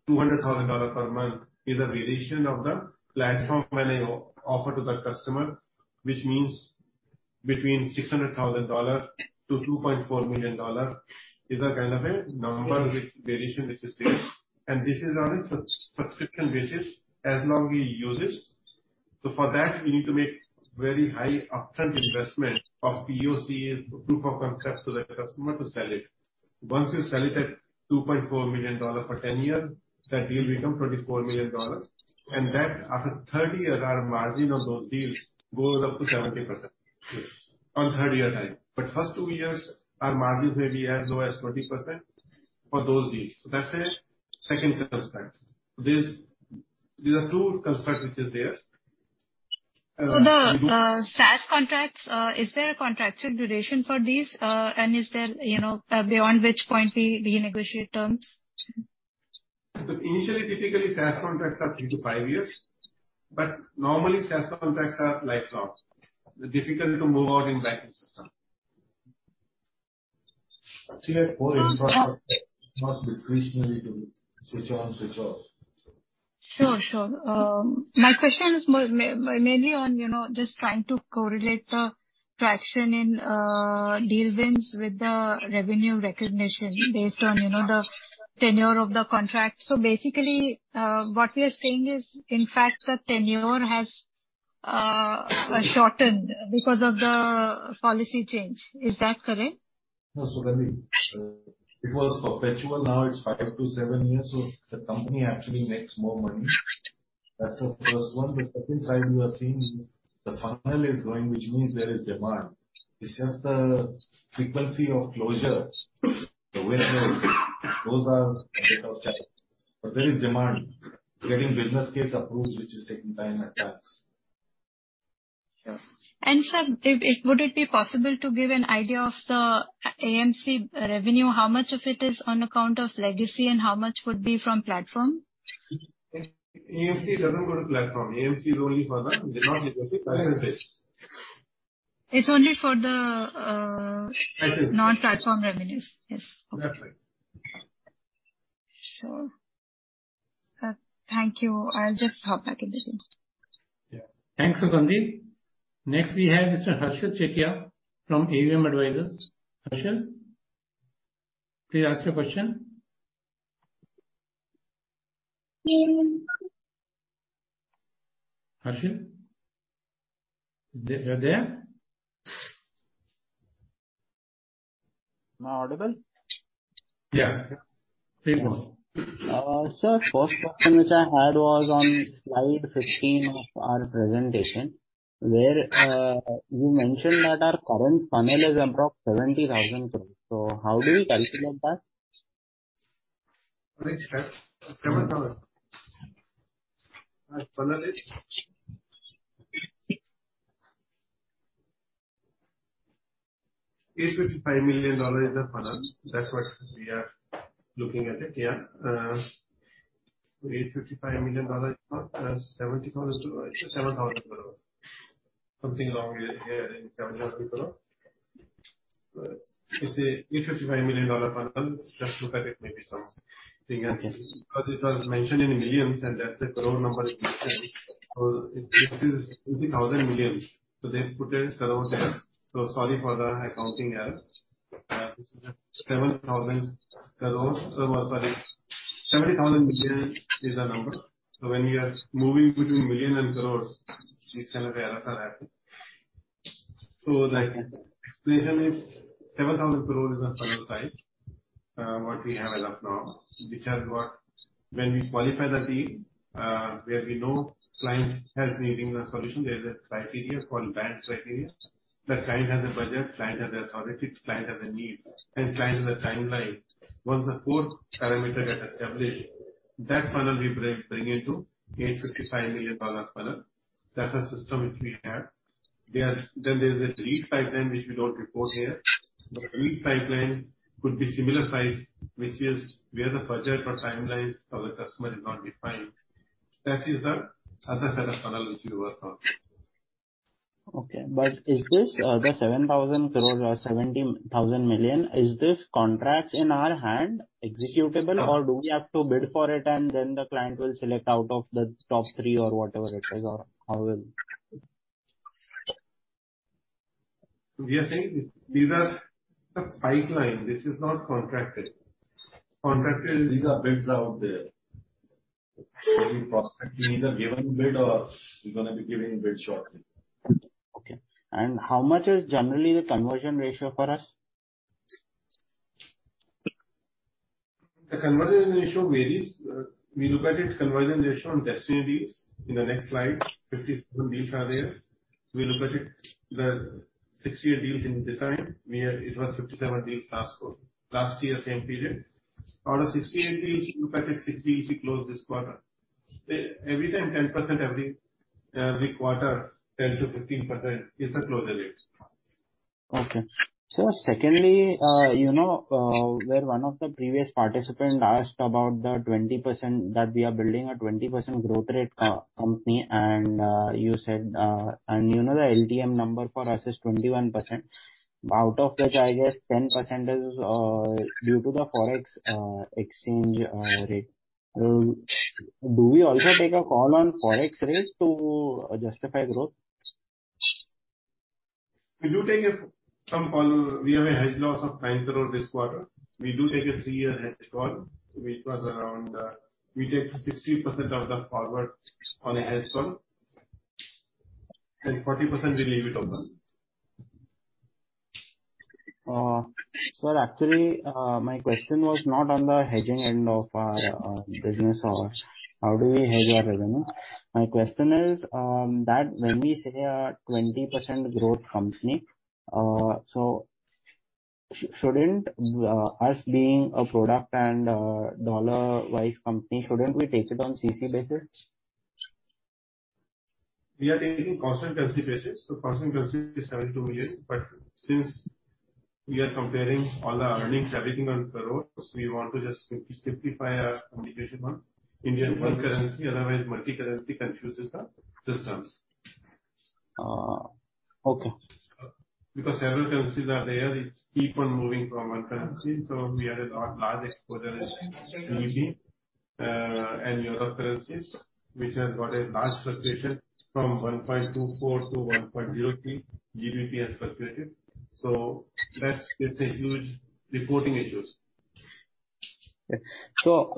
$200,000 per month is a variation of the platform when I offer to the customer. Which means between $600,000-$2.4 million is a kind of a number which variation which is there. This is on a subscription basis as long he uses. So for that, we need to make very high upfront investment of PoC, proof of concept to the customer to sell it. Once you sell it at $2.4 million for 10 year, that deal become $24 million. That after 30 years, our margin on those deals goes up to 70%. Yes. On third year time. First two years, our margins may be as low as 20% for those deals. That's a second construct. These are two construct which is there.
The SaaS contracts, is there a contracted duration for these? Is there, you know, beyond which point we renegotiate terms?
Initially, typically, SaaS contracts are three to five years. Normally SaaS contracts are lifelong. They're difficult to move out in banking system.
Actually, like whole infrastructure not discretionary to switch on, switch off.
Sure, sure. My question is mainly on, you know, just trying to correlate the fraction in deal wins with the revenue recognition based on, you know, the tenure of the contract. Basically, what we are saying is, in fact, the tenure has shortened because of the policy change. Is that correct?
No, Swagandha. It was perpetual. Now it's five to seven years, so the company actually makes more money. That's the first one. The second side we are seeing is the funnel is growing which means there is demand. It's just the frequency of closures, the win rates, those are bit of challenge. There is demand. Getting business case approved, which is taking time at times.
Sure. Sir, would it be possible to give an idea of the AMC revenue, how much of it is on account of legacy and how much would be from platform?
AMC doesn't go to platform. AMC is only for the non-legacy customers base.
It's only for the.
License.
Non-platform revenues. Yes. Okay.
That's right.
Sure. Thank you. I'll just hop back in the zoom.
Yeah.
Thanks, Sugandi. Next, we have Mr. Harshil Sethia from AUM Advisors. Harshil, please ask your question. Harshil? You there?
Am I audible?
Yeah. Please go on.
Sir, first question which I had was on slide 15 of our presentation, where you mentioned that our current funnel is approx 70,000 crore. How do we calculate that?
What is that? $855 million is the funnel. That's what we are looking at it. Yeah. $855 million, INR 7,000 crore. Something wrong in INR 7,000 crore. It's a $855 million funnel. Just look at it maybe, so you can see. Because it was mentioned in millions and that's a crore number. It is 70,000 million crore. Put a zero there. Sorry for the accounting error. It's INR 7,000 crore. Sorry. INR 70,000 million crore is the number. When you are moving between million and crore, these kind of errors are happening. like explanation is 7,000 crore is the funnel size, what we have as of now, which has worked. When we qualify the deal, where we know client has needing a solution, there's a criteria called BANT criteria. The client has a budget, client has authority, client has a need and client has a timeline. Once the four parameter get established, that funnel we bring into $855 million funnel. That's a system which we have. Then there's a lead pipeline which we don't report here. Lead pipeline could be similar size, which is where the budget or timelines for the customer is not defined. That is the other set of funnel which we work on.
Okay. Is this, the 7,000 crores or 70,000 million, is this contracts in our hand executable or do we have to bid for it and then the client will select out of the top three or whatever it is or how will?
We are saying these are the pipeline. This is not contracted. Contracted, these are bids out there. Every prospect we either given bid or we're gonna be giving bid shortly.
Okay. How much is generally the conversion ratio for us?
The conversion ratio varies. We look at it conversion ratio on destiny deals. In the next slide, 57 deals are there. We look at it, the 68 deals in design, where it was 57 deals last quarter, last year same period. Out of 68 deals, you look at it 60 deals you close this quarter. Every time 10% every quarter, 10%-15% is the close ratio.
Secondly, you know, where one of the previous participants asked about the 20%, that we are building a 20% growth rate company and you said, and you know the LTM number for us is 21%. Out of which I guess 10% is due to the Forex exchange rate. Do we also take a call on Forex rates to justify growth?
We do take a some call. We have a hedge loss of 9 crore this quarter. We do take a three-year hedge call, which was around, we take 60% of the forward on a hedge call and 40% we leave it open.
Sir, actually, my question was not on the hedging end of our business or how do we hedge our revenue. My question is that when we say a 20% growth company, so shouldn't us being a product and a dollar-wise company, shouldn't we take it on CC basis?
We are taking constant currency basis. Constant currency is $72 million. Since we are comparing all our earnings, everything on the roads, we want to just simplify our communication on Indian rupee currency, otherwise multi-currency confuses the systems.
Okay.
Because several currencies are there, it's keep on moving from one currency. We had a lot, large exposure in GBP and Euro currencies, which has got a large fluctuation from 1.24-1.03 GBP has fluctuated. That's, it's a huge reporting issues.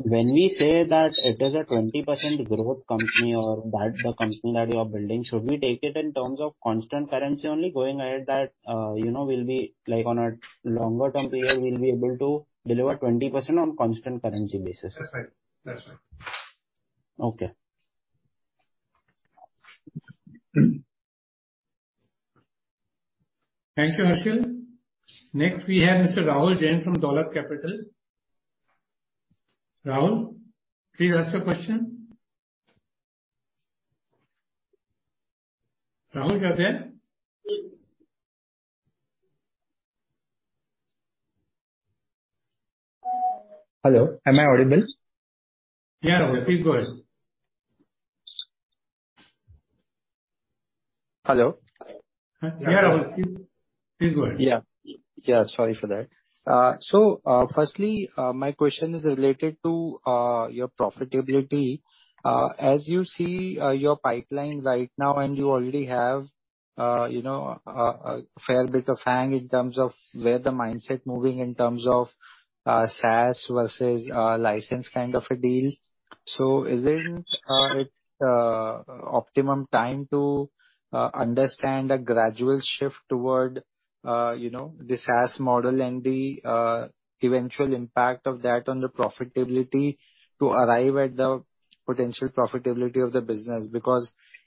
When we say that it is a 20% growth company or that the company that you are building, should we take it in terms of constant currency only going ahead that, you know, we'll be like on a longer term period, we'll be able to deliver 20% on constant currency basis?
That's right. That's right.
Okay.
Thank you, Harshil. Next, we have Mr. Rahul Jain from Dolat Capital. Rahul, please ask your question. Rahul Jain?
Hello, am I audible?
Yeah, Rahul, please go ahead.
Hello?
Yeah, Rahul, please go ahead.
Yeah. Yeah, sorry for that. Firstly, my question is related to your profitability. As you see, your pipeline right now and you already have, you know, a fair bit of hang in terms of where the mindset moving in terms of, SaaS versus, license kind of a deal. Is it optimum time to understand a gradual shift toward, you know, the SaaS model and the eventual impact of that on the profitability to arrive at the potential profitability of the business?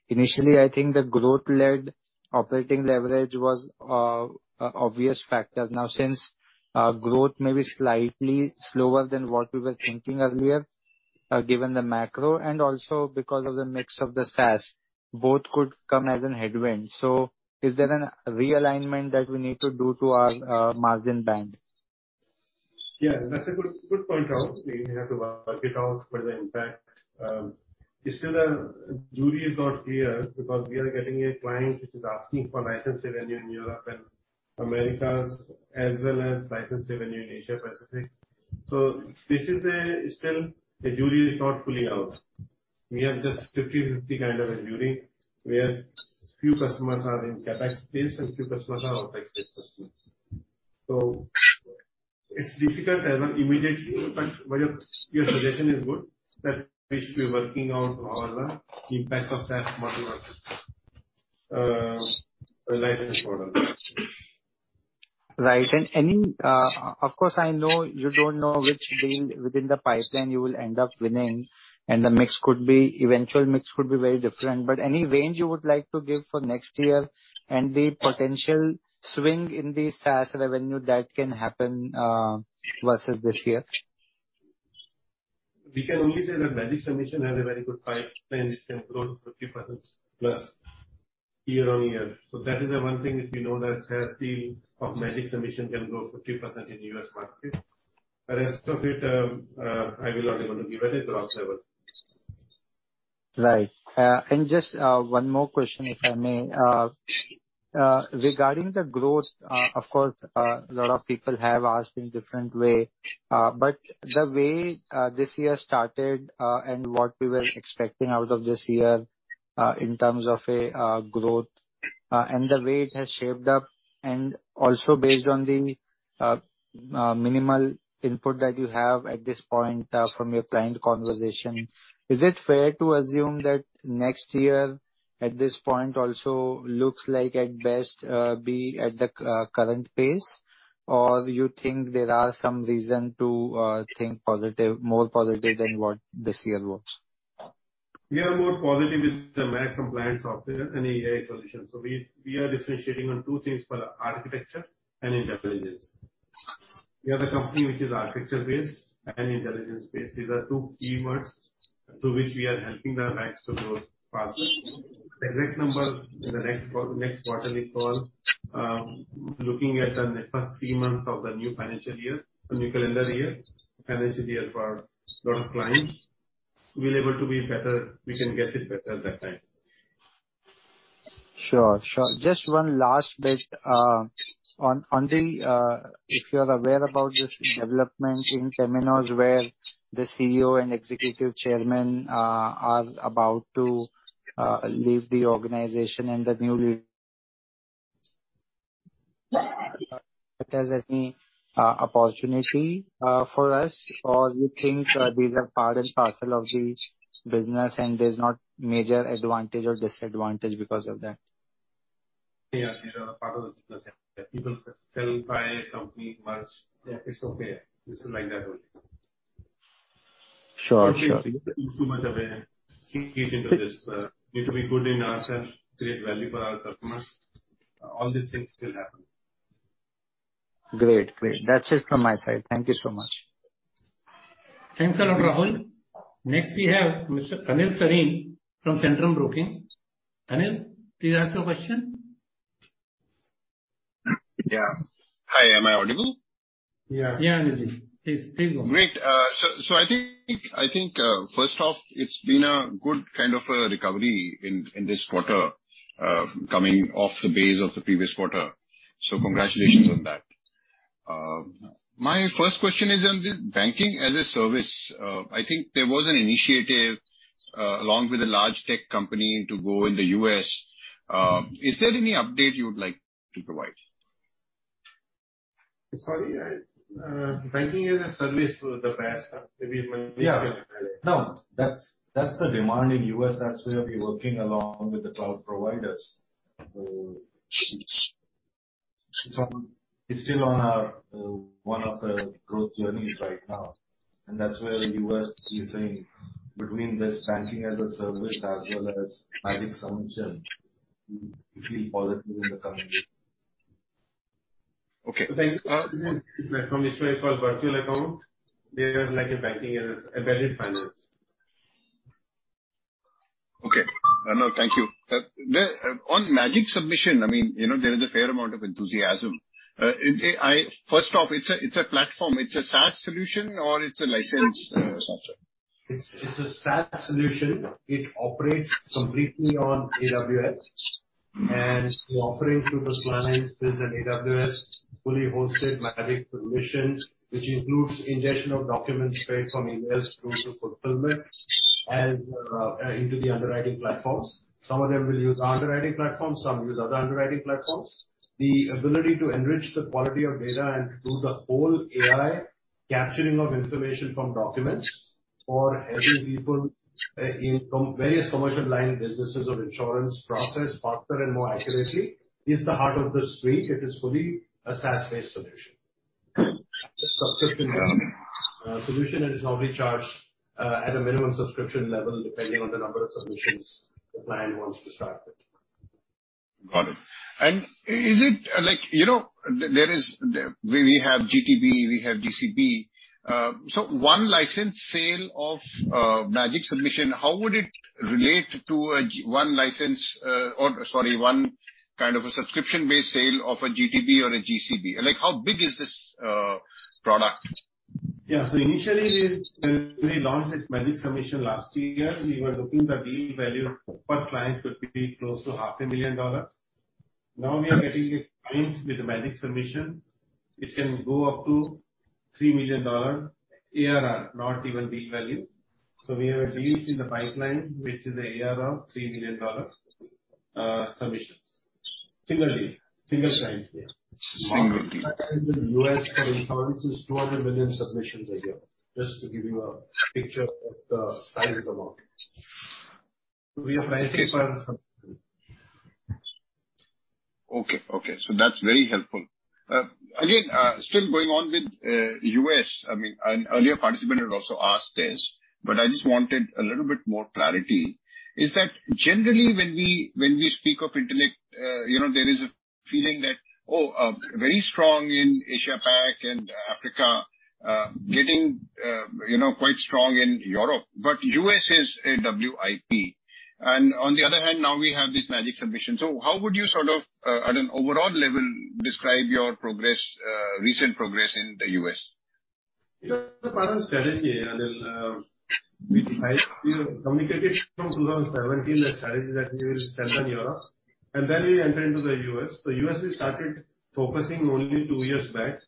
Initially, I think the growth-led operating leverage was obvious factor. Since, growth may be slightly slower than what we were thinking earlier, given the macro and also because of the mix of the SaaS, both could come as an headwind. Is there an realignment that we need to do to our margin band?
That's a good point out. We have to work it out for the impact. It's still a jury is not clear because we are getting a client which is asking for license revenue in Europe and Americas as well as license revenue in Asia Pacific. This is still the jury is not fully out. We have just 50-50 kind of a jury, where few customers are in CapEx space and few customers are OpEx based customers. It's difficult to have an immediately, but your suggestion is good that we should be working out on the impact of SaaS model versus the license model.
Right. Of course, I know you don't know which deal within the pipeline you will end up winning, and eventual mix could be very different. Any range you would like to give for next year and the potential swing in the SaaS revenue that can happen, versus this year?
We can only say that Magic Submission has a very good pipeline which can grow 50% year-over-year. That is the one thing which we know that SaaS deal of Magic Submission can grow 50% in US market. The rest of it, I will not be able to give any rough level.
Right. Just one more question, if I may. Regarding the growth, of course, a lot of people have asked in different way. The way this year started, and what we were expecting out of this year, in terms of a growth, and the way it has shaped up and also based on the minimal input that you have at this point, from your client conversation. Is it fair to assume that next year at this point also looks like at best, be at the current pace? Or you think there are some reason to think positive, more positive than what this year was?
We are more positive with the MiCAR compliance software and AI solution. We are differentiating on two things for the architecture and intelligence. We are the company which is architecture-based and intelligence-based. These are two keywords to which we are helping the banks to grow faster. The exact number in the next quarterly call, looking at the first three months of the new financial year, the new calendar year, financial year for lot of clients, we'll able to be better. We can get it better that time.
Sure. Sure. Just one last bit on Arun, if you're aware about this development in Temenos where the CEO and executive chairman are about to leave the organization and the new lead if there's any opportunity for us or you think these are part and parcel of this business and there's not major advantage or disadvantage because of that?
Yeah. They are part of the business. People sell, buy a company, merge. Yeah, it's okay. This is like that only.
Sure, sure.
Too much of a into this. We need to be good in ourselves, create value for our customers. All these things still happen.
Great. That's it from my side. Thank you so much.
Thanks a lot, Rahul. Next we have Mr. Anil Sarin from Centrum Broking. Anil, please ask your question.
Yeah. Hi. Am I audible?
Yeah. Yeah, Anilji. Please, please go on.
Great. First off, it's been a good kind of a recovery in this quarter, coming off the base of the previous quarter, so congratulations on that. My first question is on the banking-as-a-service. I think there was an initiative along with a large tech company to go in the U.S. Is there any update you would like to provide?
Sorry, banking-as-a-service through the past, maybe.
Yeah. No, that's the demand in U.S. That's where we're working along with the cloud providers. It's still on our one of the growth journeys right now. That's where U.S. is saying between this banking-as-a-service as well as Magic Submission feel positive in the coming years. Okay.
from Israel called Virtual Account. They are like Embedded finance.
Okay. Anil, thank you. On Magic Submission, I mean, you know, there is a fair amount of enthusiasm. First off, it's a, it's a platform. It's a SaaS solution or it's a licensed software?
It's a SaaS solution. The offering to the client is an AWS fully hosted Magic Submission which includes ingestion of documents straight from emails through to fulfillment and into the underwriting platforms. Some of them will use our underwriting platform, some use other underwriting platforms. The ability to enrich the quality of data and do the whole AI capturing of information from documents or helping people in from various commercial line businesses of insurance process faster and more accurately is the heart of the suite.It is fully a SaaS-based solution. Subscription solution and is normally charged at a minimum subscription level depending on the number of submissions the client wants to start with.
Got it. Is it like, you know, we have iGTB, we have iGCB. One license sale of Magic Submission, how would it relate to a one license, or, sorry, one kind of a subscription-based sale of a iGTB or a iGTB? Like how big is this product?
Initially when we launched this Magic Submission last year, we were looking the deal value per client could be close to half a million dollars. Now, we are getting clients with the Magic Submission which can go up to $3 million ARR, not even deal value. We have deals in the pipeline which is ARR of $3 million, submissions. Single deal. Single client. Yeah.
Single deal.
In the U.S. for insurance is 200 million submissions a year, just to give you a picture of the size of the market. We are
Okay. Okay. That's very helpful. Again, still going on with U.S., I mean, an earlier participant had also asked this, but I just wanted a little bit more clarity. Is that generally when we speak of Intellect, you know, there is a feeling that, oh, very strong in Asia-Pac and Africa, getting, you know, quite strong in Europe, but U.S. is a WIP. On the other hand now we have this Magic Submission. How would you sort of, at an overall level describe your progress, recent progress in the U.S.?
It's a part of strategy, Anil. We have communicated from 2017 the strategy that we will sell in Europe and then we enter into the U.S. U.S. we started focusing only two years back.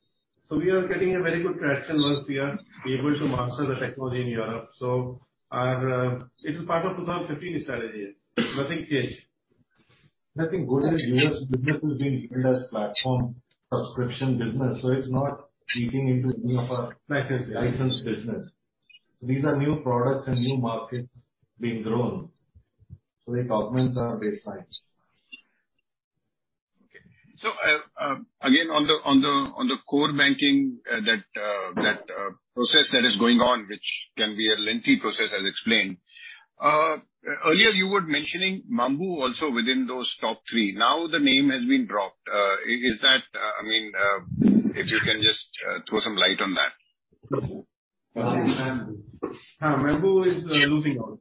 We are getting a very good traction once we are able to master the technology in Europe. Our, it is part of 2015 strategy. Nothing changed. Nothing. Good is US business is being viewed as platform subscription business, so it's not eating into any of our licensed business. These are new products and new markets being grown. The targets are baseline.
Again, on the core banking, that process that is going on, which can be a lengthy process as explained. Earlier you were mentioning Mambu also within those top three. Now the name has been dropped. Is that, I mean, if you can just throw some light on that?
Mambu. Mambu is losing out.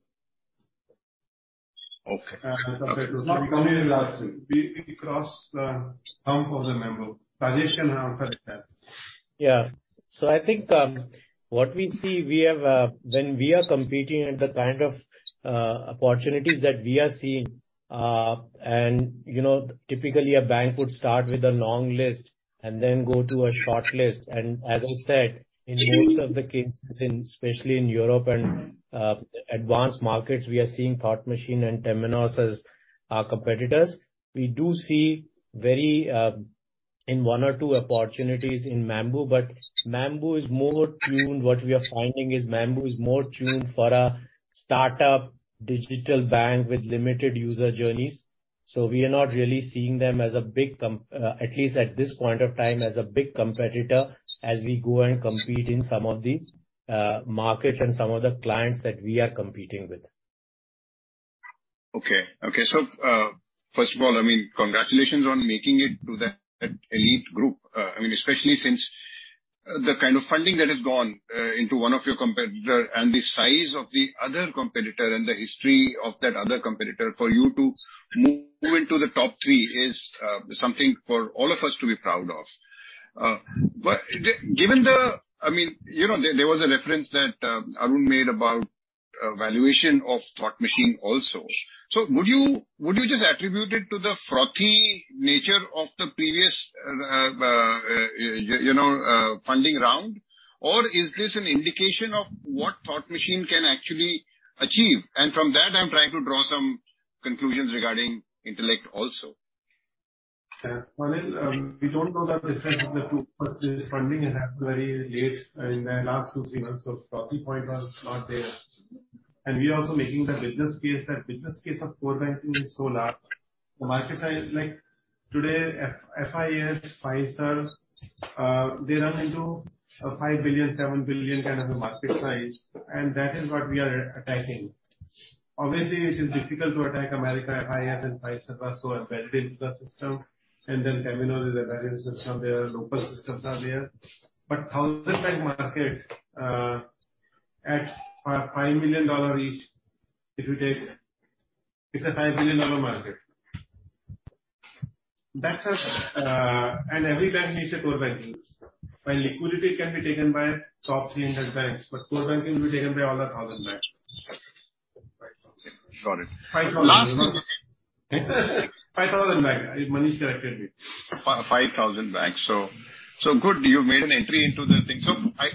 Okay.
We crossed some of the Mambu. Banesh can answer that.
I think, what we see, we have, when we are competing and the kind of, opportunities that we are seeing, and, you know, typically a bank would start with a long list and then go to a short list. As I said, in most of the cases, in especially in Europe and, advanced markets, we are seeing Thought Machine and Temenos as our competitors. We do see very, in one or two opportunities in Mambu, but Mambu is more tuned. What we are finding is Mambu is more tuned for a start-up digital bank with limited user journeys. We are not really seeing them, at least at this point of time, as a big competitor, as we go and compete in some of these markets and some of the clients that we are competing with.
Okay. Okay, first of all, I mean, congratulations on making it to that elite group. I mean, especially since the kind of funding that has gone into one of your competitor and the size of the other competitor and the history of that other competitor, for you to move into the top three is something for all of us to be proud of. I mean, you know, there was a reference that Arun made about valuation of Thought Machine also. Would you, would you just attribute it to the frothy nature of the previous funding round, or is this an indication of what Thought Machine can actually achieve? From that, I'm trying to draw some conclusions regarding Intellect also.
Yeah. Anil, we don't know the difference of the two, this funding has happened very late in the last two, three months. Frothy point was not there. We are also making the business case. That business case of core banking is so large. The market side, like today, FIS, Fiserv, they run into a 5 billion, 7 billion kind of a market size, that is what we are attacking. Obviously, it is difficult to attack America, FIS and Fiserv are so embedded into the system, Temenos is a value system there, local systems are there. 1,000 bank market, at INR 5 million each, if you take, it's a INR 5 billion market. That's a, every bank needs a core banking. While liquidity can be taken by top 300 banks, core banking will be taken by all the 1,000 banks.
Right. Got it.
5,000. 5,000 banks. Manish corrected me.
5,000 banks. Good, you've made an entry into the thing. I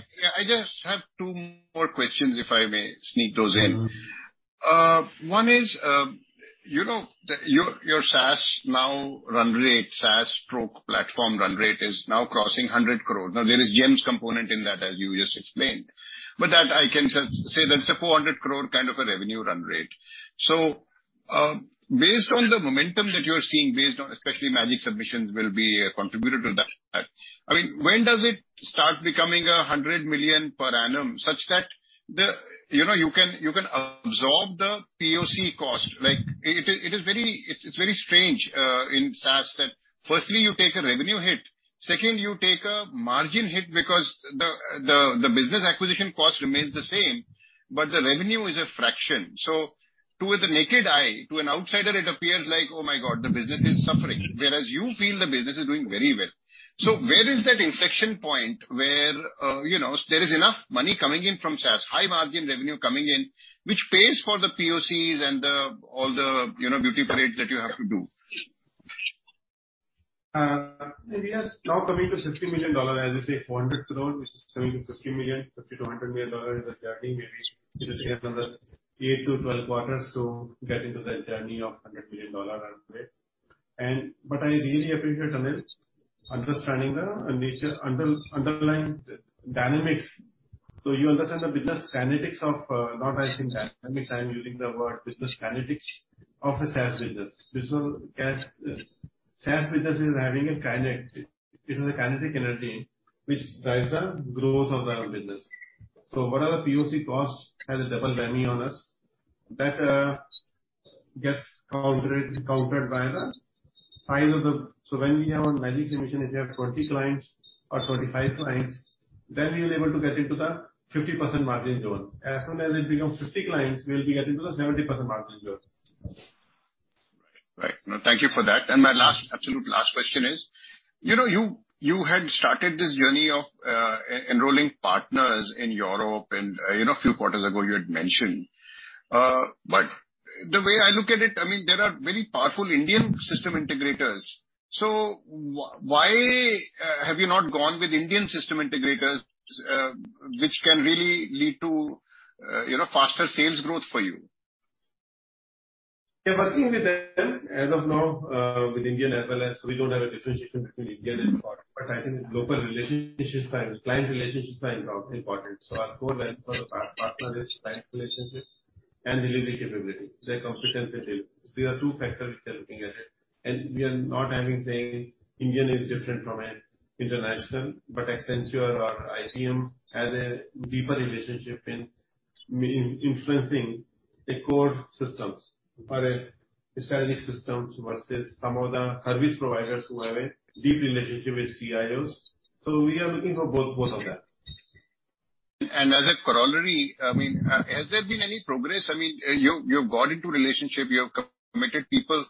just have two more questions, if I may sneak those in.
Mm-hmm.
One is, you know, your SaaS now run rate, SaaS stroke platform run rate is now crossing 100 crore. There is GeM component in that, as you just explained, but that I can say that it's a 400 crore kind of a revenue run rate. Based on the momentum that you're seeing, based on especially Magic Submissions will be contributed to that. When does it start becoming a $100 million per annum, such that you know, you can absorb the PoC cost. It is very, it's very strange in SaaS that firstly, you take a revenue hit, second, you take a margin hit because the business acquisition cost remains the same, but the revenue is a fraction. To the naked eye, to an outsider, it appears like, oh, my God, the business is suffering, whereas you feel the business is doing very well. Where is that inflection point where, you know, there is enough money coming in from SaaS, high margin revenue coming in, which pays for the PoCs and the, all the, you know, beauty parade that you have to do?
We are now coming to $50 million, as you say, 400 crore, which is coming to $50 million. $50 million-$100 million is a journey. Maybe it'll take another 8-12 quarters to get into that journey of $100 million run rate. I really appreciate, Anil, understanding the underlying dynamics. You understand the business kinetics of not icing that. Every time using the word business kinetics of the SaaS business. SaaS business is having a kinetic. It is a kinetic energy which drives the growth of our business. Whatever PoC cost has a double whammy on us, that gets countered by the size of the. When we have a Magic Submission, if we have 20 clients or 25 clients, then we're able to get into the 50% margin zone. As soon as it becomes 50 clients, we'll be getting to the 70% margin zone.
Right. Right. No, thank you for that. My last, absolute last question is, you know, you had started this journey of e-enrolling partners in Europe and, you know, a few quarters ago you had mentioned. The way I look at it, I mean, there are very powerful Indian system integrators. Why have you not gone with Indian system integrators, which can really lead to, you know, faster sales growth for you?
We're working with them. As of now, with Indian as well as we don't have a differentiation between Indian and foreign, but I think local relationships and client relationships are important. Our core bank partners, client relationships and delivery capability, their competency delivery. There are two factors which are looking at it. We are not, I mean, saying Indian is different from an international, but Accenture or IBM has a deeper relationship in influencing the core systems for strategic systems versus some of the service providers who have a deep relationship with CIOs. We are looking for both of them.
As a corollary, I mean, has there been any progress? I mean, you've got into relationship, you have committed people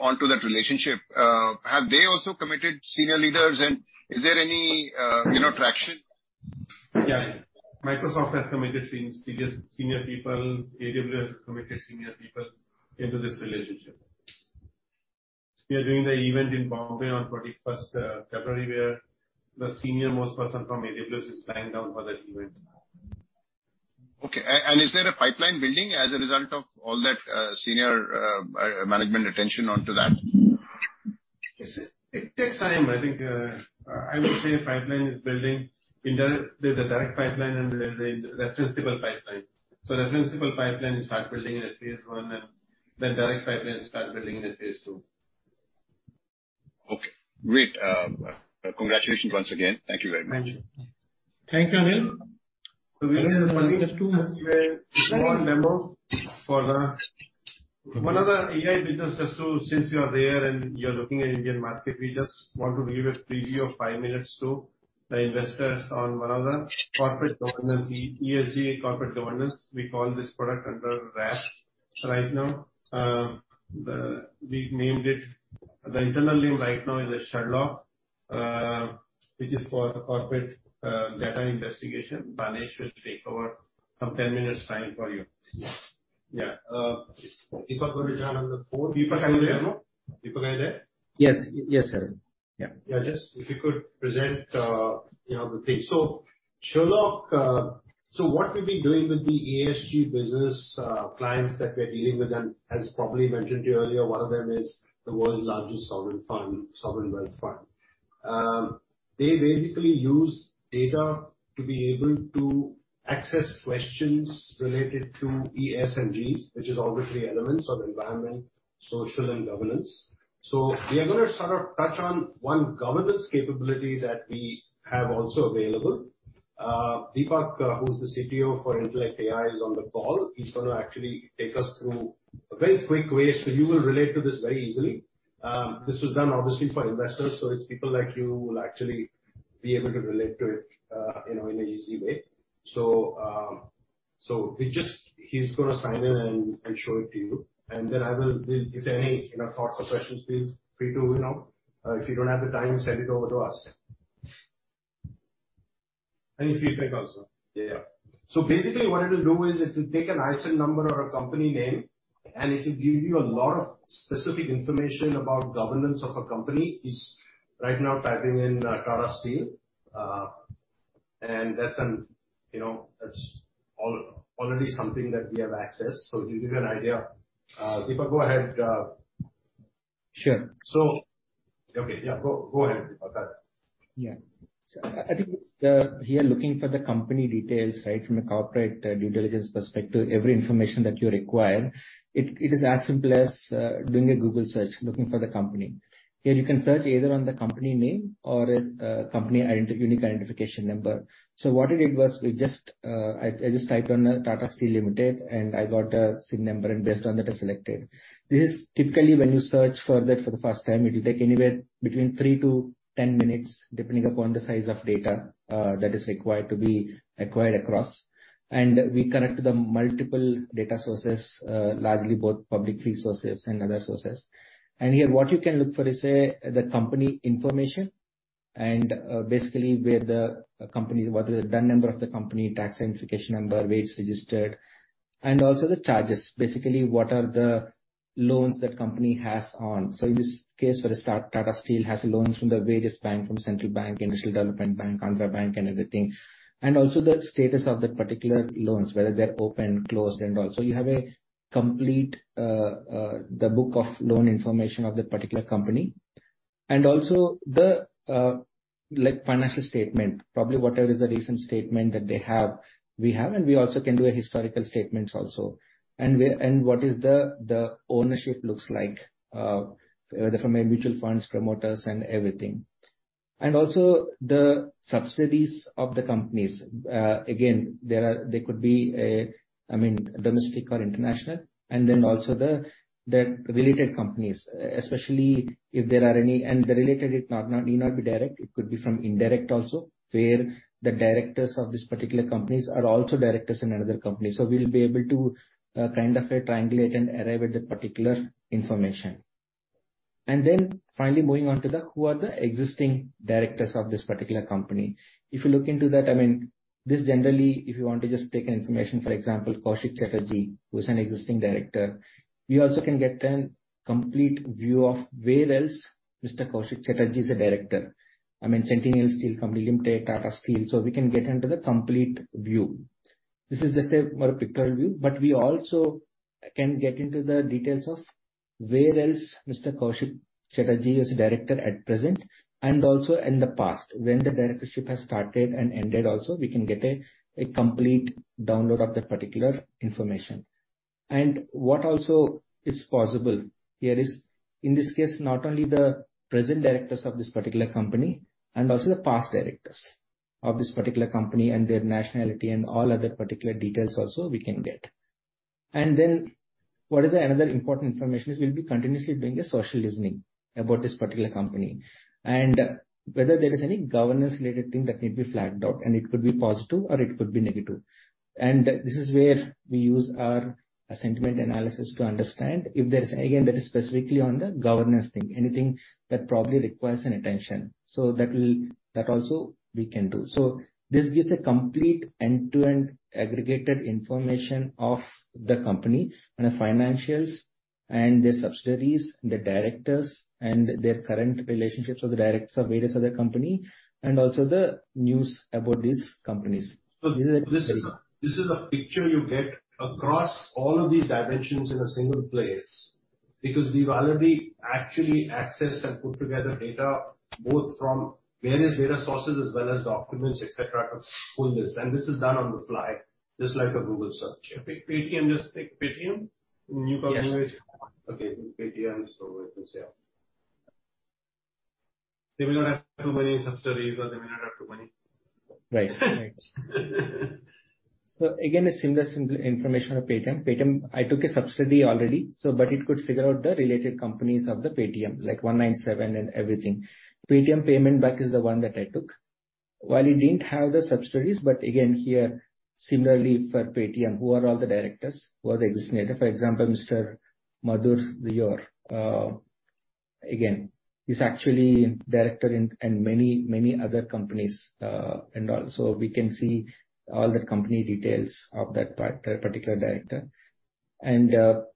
onto that relationship. Have they also committed senior leaders and is there any, you know, traction?
Yeah. Microsoft has committed senior people. AWS has committed senior people into this relationship. We are doing the event in Bombay on 31st February, where the senior-most person from AWS is flying down for that event.
Okay. Is there a pipeline building as a result of all that senior management attention onto that?
It takes time. I think I would say pipeline is building. There's a direct pipeline and there's a referenceable pipeline. The referenceable pipeline you start building in a phase 1, and then direct pipeline you start building in a phase II.
Okay. Great. Congratulations once again. Thank you very much.
Thank you.
Thank you, Anil.
We have a funding of.
Very-
small demo One of the AI businesses to. Since you are there and you are looking at Indian market, we just want to give a preview of five minutes to the investors on one of the corporate governance, ESG corporate governance. We call this product under RASH right now. We've named it, the internal name right now is Sherlock, which is for corporate data investigation. Banesh will take over, some 10 minutes time for you.
Yeah.
Yeah. Deepak will join on the fourth. Deepak are you there?
Yes. Yes, sir. Yeah.
Yeah. Just if you could present, you know, the thing. Sherlock, what we've been doing with the ESG business, clients that we're dealing with, as probably mentioned to you earlier, one of them is the world's largest sovereign fund, sovereign wealth fund. They basically use data to be able to access questions related to ES and G, which is all the three elements of environment, social and governance. We are gonna sort of touch on one governance capability that we have also available. Deepak, who is the CTO for Intellect AI, is on the call. He's gonna actually take us through a very quick way. You will relate to this very easily. This was done obviously for investors, it's people like you who will actually be able to relate to it, you know, in an easy way. He's gonna sign in and show it to you. If there are any, you know, thoughts or questions, please feel free to, you know. If you don't have the time, send it over to us. Any feedback also. Yeah, yeah. Basically, what it'll do is it'll take an ISIN number or a company name, and it'll give you a lot of specific information about governance of a company. He's right now typing in Tata Steel, and that's, you know, that's already something that we have access. It'll give you an idea. Deepak, go ahead.
Sure.
Okay, yeah. Go ahead, Deepak.
I think it's the. Here, looking for the company details, right from a corporate due diligence perspective, every information that you require, it is as simple as doing a Google search, looking for the company. Here you can search either on the company name or its unique identification number. What I did was I just typed on Tata Steel Limited, and I got a CIN number. Based on that, I selected. This is typically when you search for that for the first time, it'll take anywhere between 3-10 minutes, depending upon the size of data that is required to be acquired across. We connect to the multiple data sources, largely both public resources and other sources. Here, what you can look for is the company information and basically where the company, what is the DUNS number of the company, tax identification number, where it's registered, and also the charges. Basically, what are the loans that company has on. In this case for the Tata Steel has loans from the various bank, from Central Bank, Industrial Development Bank, Canara Bank and everything. Also the status of that particular loans, whether they're open, closed, and all. You have a complete the book of loan information of that particular company. Also the like financial statement, probably whatever is the recent statement that they have, we have, and we also can do a historical statements also. Where, and what is the ownership looks like from a mutual funds, promoters and everything. Also the subsidies of the companies. Again, there are they could be, I mean domestic or international. Also the related companies, especially if there are any. The related need not be direct, it could be from indirect also, where the directors of this particular companies are also directors in another company. We'll be able to, kind of, triangulate and arrive at the particular information. Finally moving on to the who are the existing directors of this particular company. If you look into that, I mean, this generally, if you want to just take an information. For example, Kaushik Chatterjee, who is an existing director. We also can get then complete view of where else Mr. Kaushik Chatterjee is a director. I mean, Centennial Steel Company Limited, Tata Steel. We can get into the complete view. This is the same for a pictorial view, but we also can get into the details. Where else Mr. Kaushik Chatterjee is director at present and also in the past, when the directorship has started and ended also, we can get a complete download of the particular information. What also is possible here is, in this case, not only the present directors of this particular company and also the past directors of this particular company, and their nationality and all other particular details also we can get. What is another important information is we'll be continuously doing a social listening about this particular company, and whether there is any governance-related thing that may be flagged out, and it could be positive or it could be negative. This is where we use our sentiment analysis to understand if there's. Again, that is specifically on the governance thing, anything that probably requires an attention. That also we can do. This gives a complete end-to-end aggregated information of the company and the financials and the subsidiaries, the directors and their current relationships with the directors of various other company and also the news about these companies. This is it.
This is a picture you get across all of these dimensions in a single place because we've already actually accessed and put together data both from various data sources as well as documents, et cetera, to pull this. This is done on the fly, just like a Google search.
Paytm. Just take Paytm. New company was Yes.
Okay, Paytm. Let me see. They will not have too many subsidiaries because they may not have too many.
Right. Right. Again, a similar information of Paytm. Paytm, I took a subsidy already. It could figure out the related companies of the Paytm, like One97 and everything. Paytm Payments Bank is the one that I took. While it didn't have the subsidiaries, here similarly for Paytm, who are all the directors? Who are the existing director? For example, Mr. Madhur Deora, again, he's actually director in many other companies, and also we can see all the company details of that particular director. Similarly,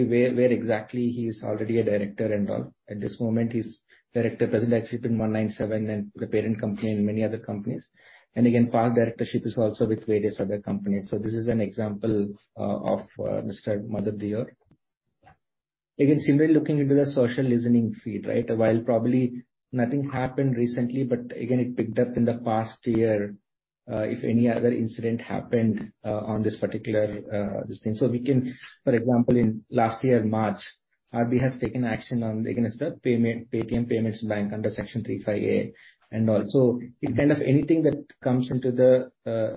again, where exactly he is already a director and all. At this moment he's director present actually in One97 and the parent company and many other companies. Again, past directorship is also with various other companies. This is an example of Mr. Madhur Deora.Similarly, looking into the social listening feed, right? While probably nothing happened recently, but again, it picked up in the past year, if any other incident happened, on this particular, this thing. For example, in last year March, RBI has taken action on against the payment, Paytm Payments Bank under Section 35A and all. It kind of anything that comes into the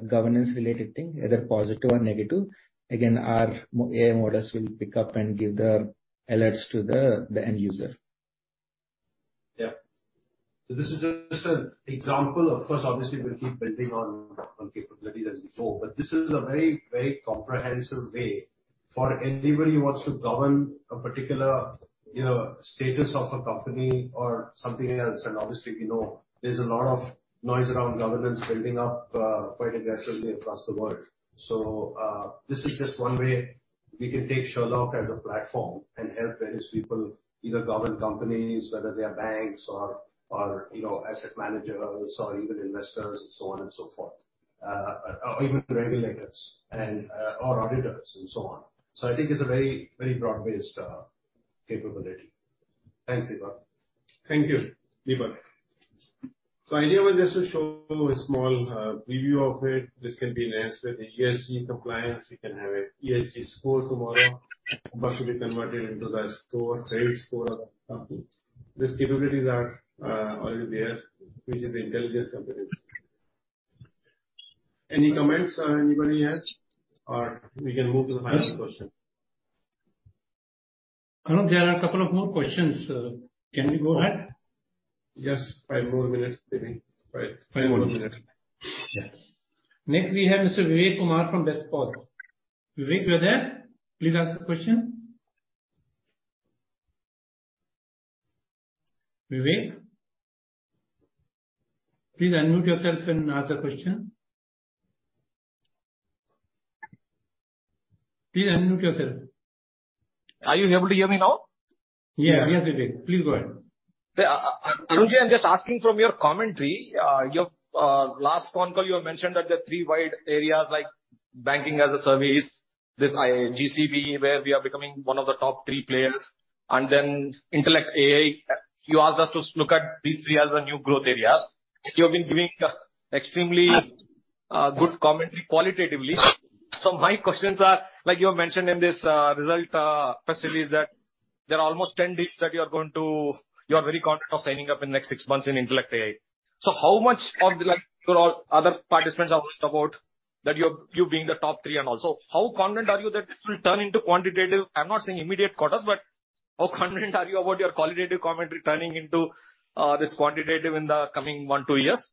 governance related thing, either positive or negative, again, our AI models will pick up and give the alerts to the end user.
Yeah. This is just an example. Of course, obviously we'll keep building on capabilities as before, but this is a very, very comprehensive way for anybody who wants to govern a particular, you know, status of a company or something else. Obviously, we know there's a lot of noise around governance building up quite aggressively across the world. This is just one way we can take Sherlock as a platform and help various people either govern companies, whether they are banks or, you know, asset managers or even investors and so on and so forth, or even regulators and or auditors and so on. I think it's a very, very broad-based capability. Thanks, Deepak. Thank you, Deepak. Ideally this will show a small preview of it. This can be enhanced with ESG compliance. We can have an ESG score tomorrow, about to be converted into the score, trade score of a company. These capabilities are already there using the intelligence companies. Any comments anybody has? We can move to the final question.
Arun, there are a couple of more questions. Can we go ahead?
Just five more minutes maybe. Five more minutes.
Yeah. Next, we have Mr. Vivek Kumar from B&K Securities. Vivek, you are there? Please ask the question. Vivek? Please unmute yourself and ask the question. Please unmute yourself.
Are you able to hear me now?
Yeah. Yes, Vivek, please go ahead.
Arun, I'm just asking from your commentary, your last phone call, you have mentioned that the three wide areas like banking-as-a-service, this iGCB, where we are becoming one of the top three players, and then Intellect AI. You asked us to look at these three as the new growth areas. You have been giving extremely good commentary qualitatively. My questions are, like you have mentioned in this result facilities that there are almost 10 deals that you are very confident of signing up in the next six months in Intellect AI. How much of the, like your all other participants are pushed about that you being the top three and all. How confident are you that this will turn into quantitative? I'm not saying immediate quarters, but how confident are you about your qualitative commentary turning into this quantitative in the coming one to two years?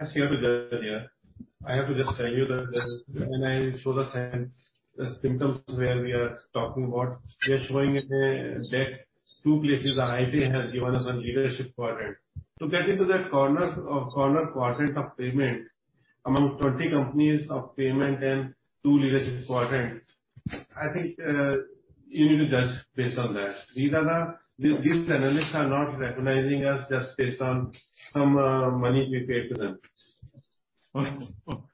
As you have the data, I have to just tell you that this, when I show the same, the symptoms where we are talking about, we are showing it there that two places our IP has given us a leadership quadrant. To get into that corner quadrant of payment among 20 companies of payment and two leadership quadrant, I think, you need to judge based on that. These analysts are not recognizing us just based on some money we paid to them. The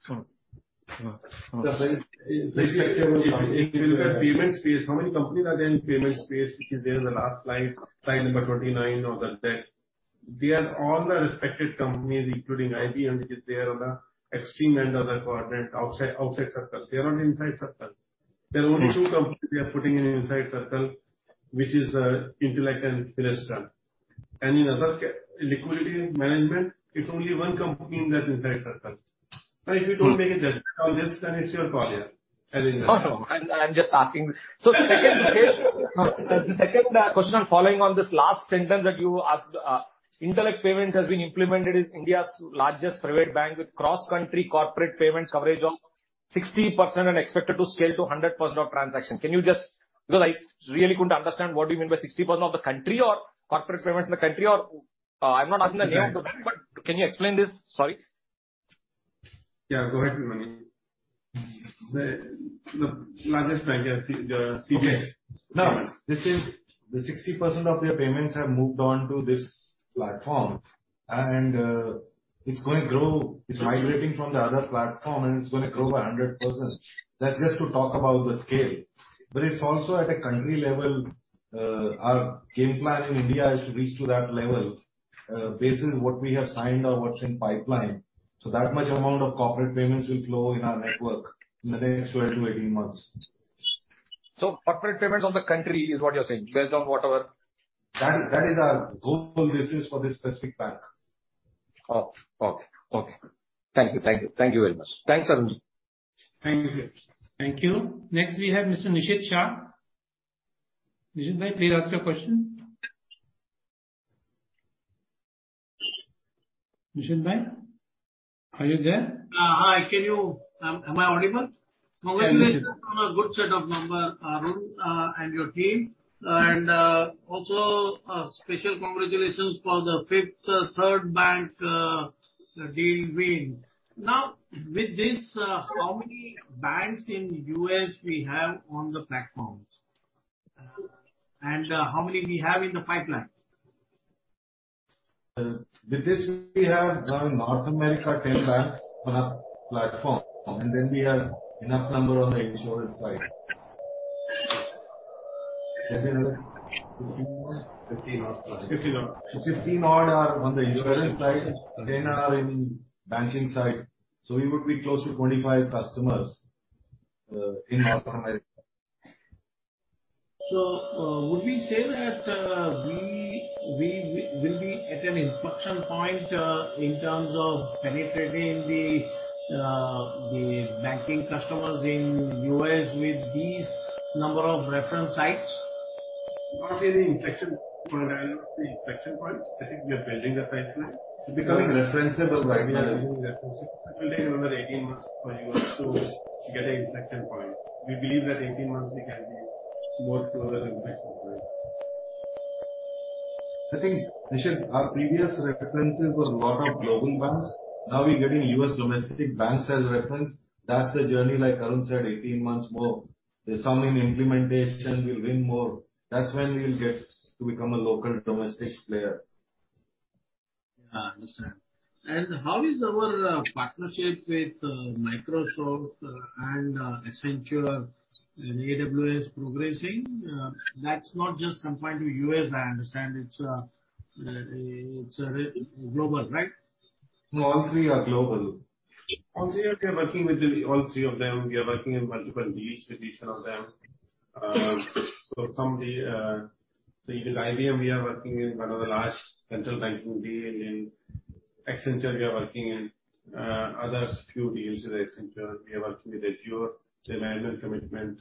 bank is respectable company. If you look at payment space, how many companies are there in payment space, which is there in the last slide number 29 or the 10th. They are all the respected companies, including IBM, which is there on the extreme end of the quadrant outside circle. They are not inside circle. There are only two companies we are putting in inside circle, which is Intellect and Finastra. In other liquidity management, it's only one company in that inside circle. If you don't make a judgment on this, then it's your failure as an investor.
Oh, no. I'm just asking. Second case... The second question I'm following on this last sentence that you asked. Intellect Payments has been implemented in India's largest private bank with cross-country corporate payment coverage of 60% and expected to scale to 100% of transaction. Can you just... Because I really couldn't understand what do you mean by 60% of the country or corporate payments in the country or... I'm not asking the name of the bank, but can you explain this? Sorry.
Yeah, go ahead, Praveen.
The largest bank, yeah. The CBS. Okay. This is the 60% of their payments have moved on to this platform and it's going to grow. It's migrating from the other platform, and it's gonna grow by 100%. That's just to talk about the scale. It's also at a country level. Our game plan in India is to reach to that level based on what we have signed or what's in pipeline. That much amount of corporate payments will flow in our network in the next 12-18 months.
Corporate payments on the country is what you're saying based on.
That is our global basis for this specific bank.
Okay. Okay. Okay. Thank you. Thank you. Thank you very much. Thanks, Arun.
Thank you.
Thank you. Next we have Mr. Nishit Shah. Nishit, please ask your question. Nishit? Are you there?
Hi. Am I audible?
Yes.
Congratulations on a good set of number, Arun, and your team. Also, special congratulations for the Fifth Third Bank deal win. Now, with this, how many banks in U.S. we have on the platform? How many we have in the pipeline?
With this we have now in North America, 10 banks on our platform. We have enough number on the insurance side. 15 odd are on the insurance side.
Okay.
10 are in banking side. We would be close to 25 customers, in North America.
Would we say that we will be at an inflection point in terms of penetrating the banking customers in U.S. with these number of reference sites?
We're not really inflection point. I don't know if the inflection point. I think we are building the pipeline. Becoming referenceable right now. We are becoming referenceable. It will take another 18 months for you to get a inflection point. We believe that 18 months we can be more closer to inflection point. I think, Nishit, our previous references were a lot of global banks. Now we're getting US domestic banks as reference. That's the journey, like Arun said, 18 months more. There's so many implementation, we win more. That's when we'll get to become a local domestic player.
Yeah, understand. How is our partnership with Microsoft and Accenture and AWS progressing? That's not just confined to U.S., I understand. It's, it's global, right?
No, all three are global. All three, we are working all three of them. We are working in multiple deals with each of them. With IBM we are working in one of the large central banking deal. In Accenture we are working others few deals with Accenture. We are working with Azure. The land and commitment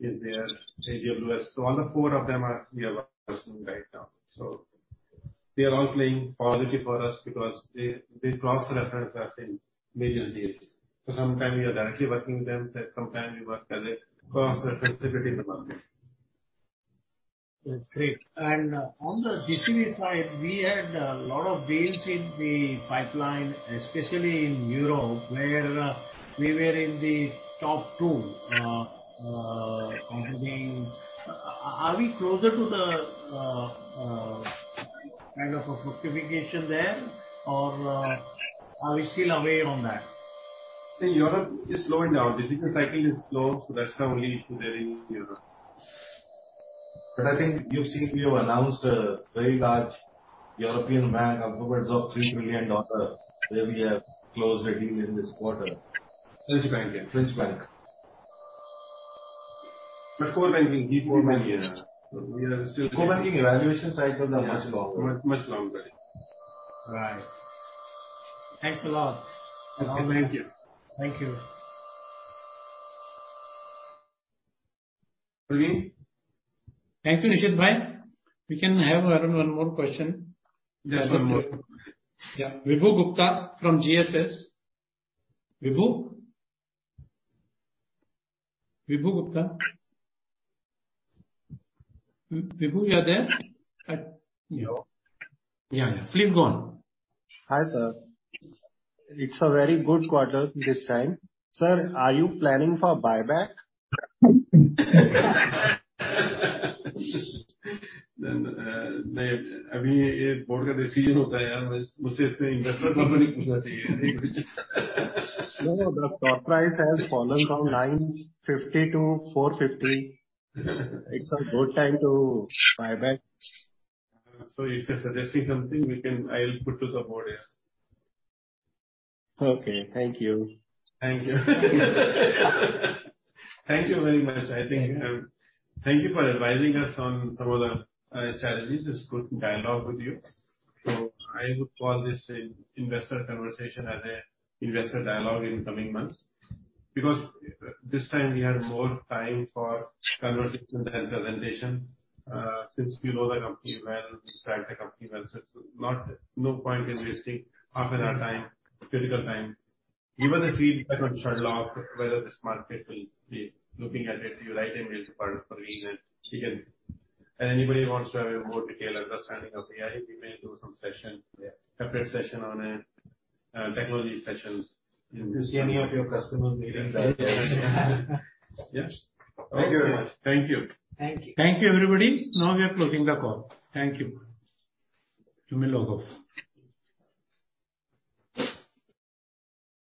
is there. AWS. All the four of them We are working right now. They are all playing positive for us because they cross-reference us in major deals. Sometime we are directly working with them, sometime we work as a cross-reference competitive environment.
That's great. On the iGCB side, we had a lot of deals in the pipeline, especially in Europe, where we were in the top two competing. Are we closer to the kind of a certification there? Are we still away on that?
I think Europe is slowing down. The business cycle is slow, so that's the only issue there in Europe. I think you've seen we have announced a very large European bank upwards of $3 billion, where we have closed a deal in this quarter. French bank, yeah. French bank. Core banking, he's core banking. Yeah. Core banking evaluation cycles are much longer. Much, much longer.
Right. Thanks a lot.
Okay, thank you. Thank you. Praneev.
Thank you, Nishit. We can have, Arun, one more question. There's one more. Yeah. Vibhor Gupta from GSS. Vibhor? Vibhor Gupta? Vibhor, you are there?
No.
Yeah, yeah. Please go on.
Hi, sir. It's a very good quarter this time. Sir, are you planning for buyback?
No.
No, no. The stock price has fallen from 950-450. It's a good time to buy back.
If you're suggesting something, we can... I'll put to the board, yes.
Okay. Thank you.
Thank you. Thank you very much. I think. Thank you for advising us on some of the strategies. It's good dialogue with you. I would call this investor conversation as a investor dialogue in the coming months. This time we had more time for conversation than presentation, since we know the company well, we track the company well, no point in wasting half an hour time, critical time. Given the feedback on Sherlock, whether this market will be looking at it, you write a mail to Praneet.Anybody who wants to have a more detailed understanding of AI, we may do some session. Yeah. Separate session on it. Technology session. If any of your customers may be interested. Yes.
Thank you very much.
Thank you. Thank you. Thank you, everybody. Now we are closing the call. Thank you. You may log off.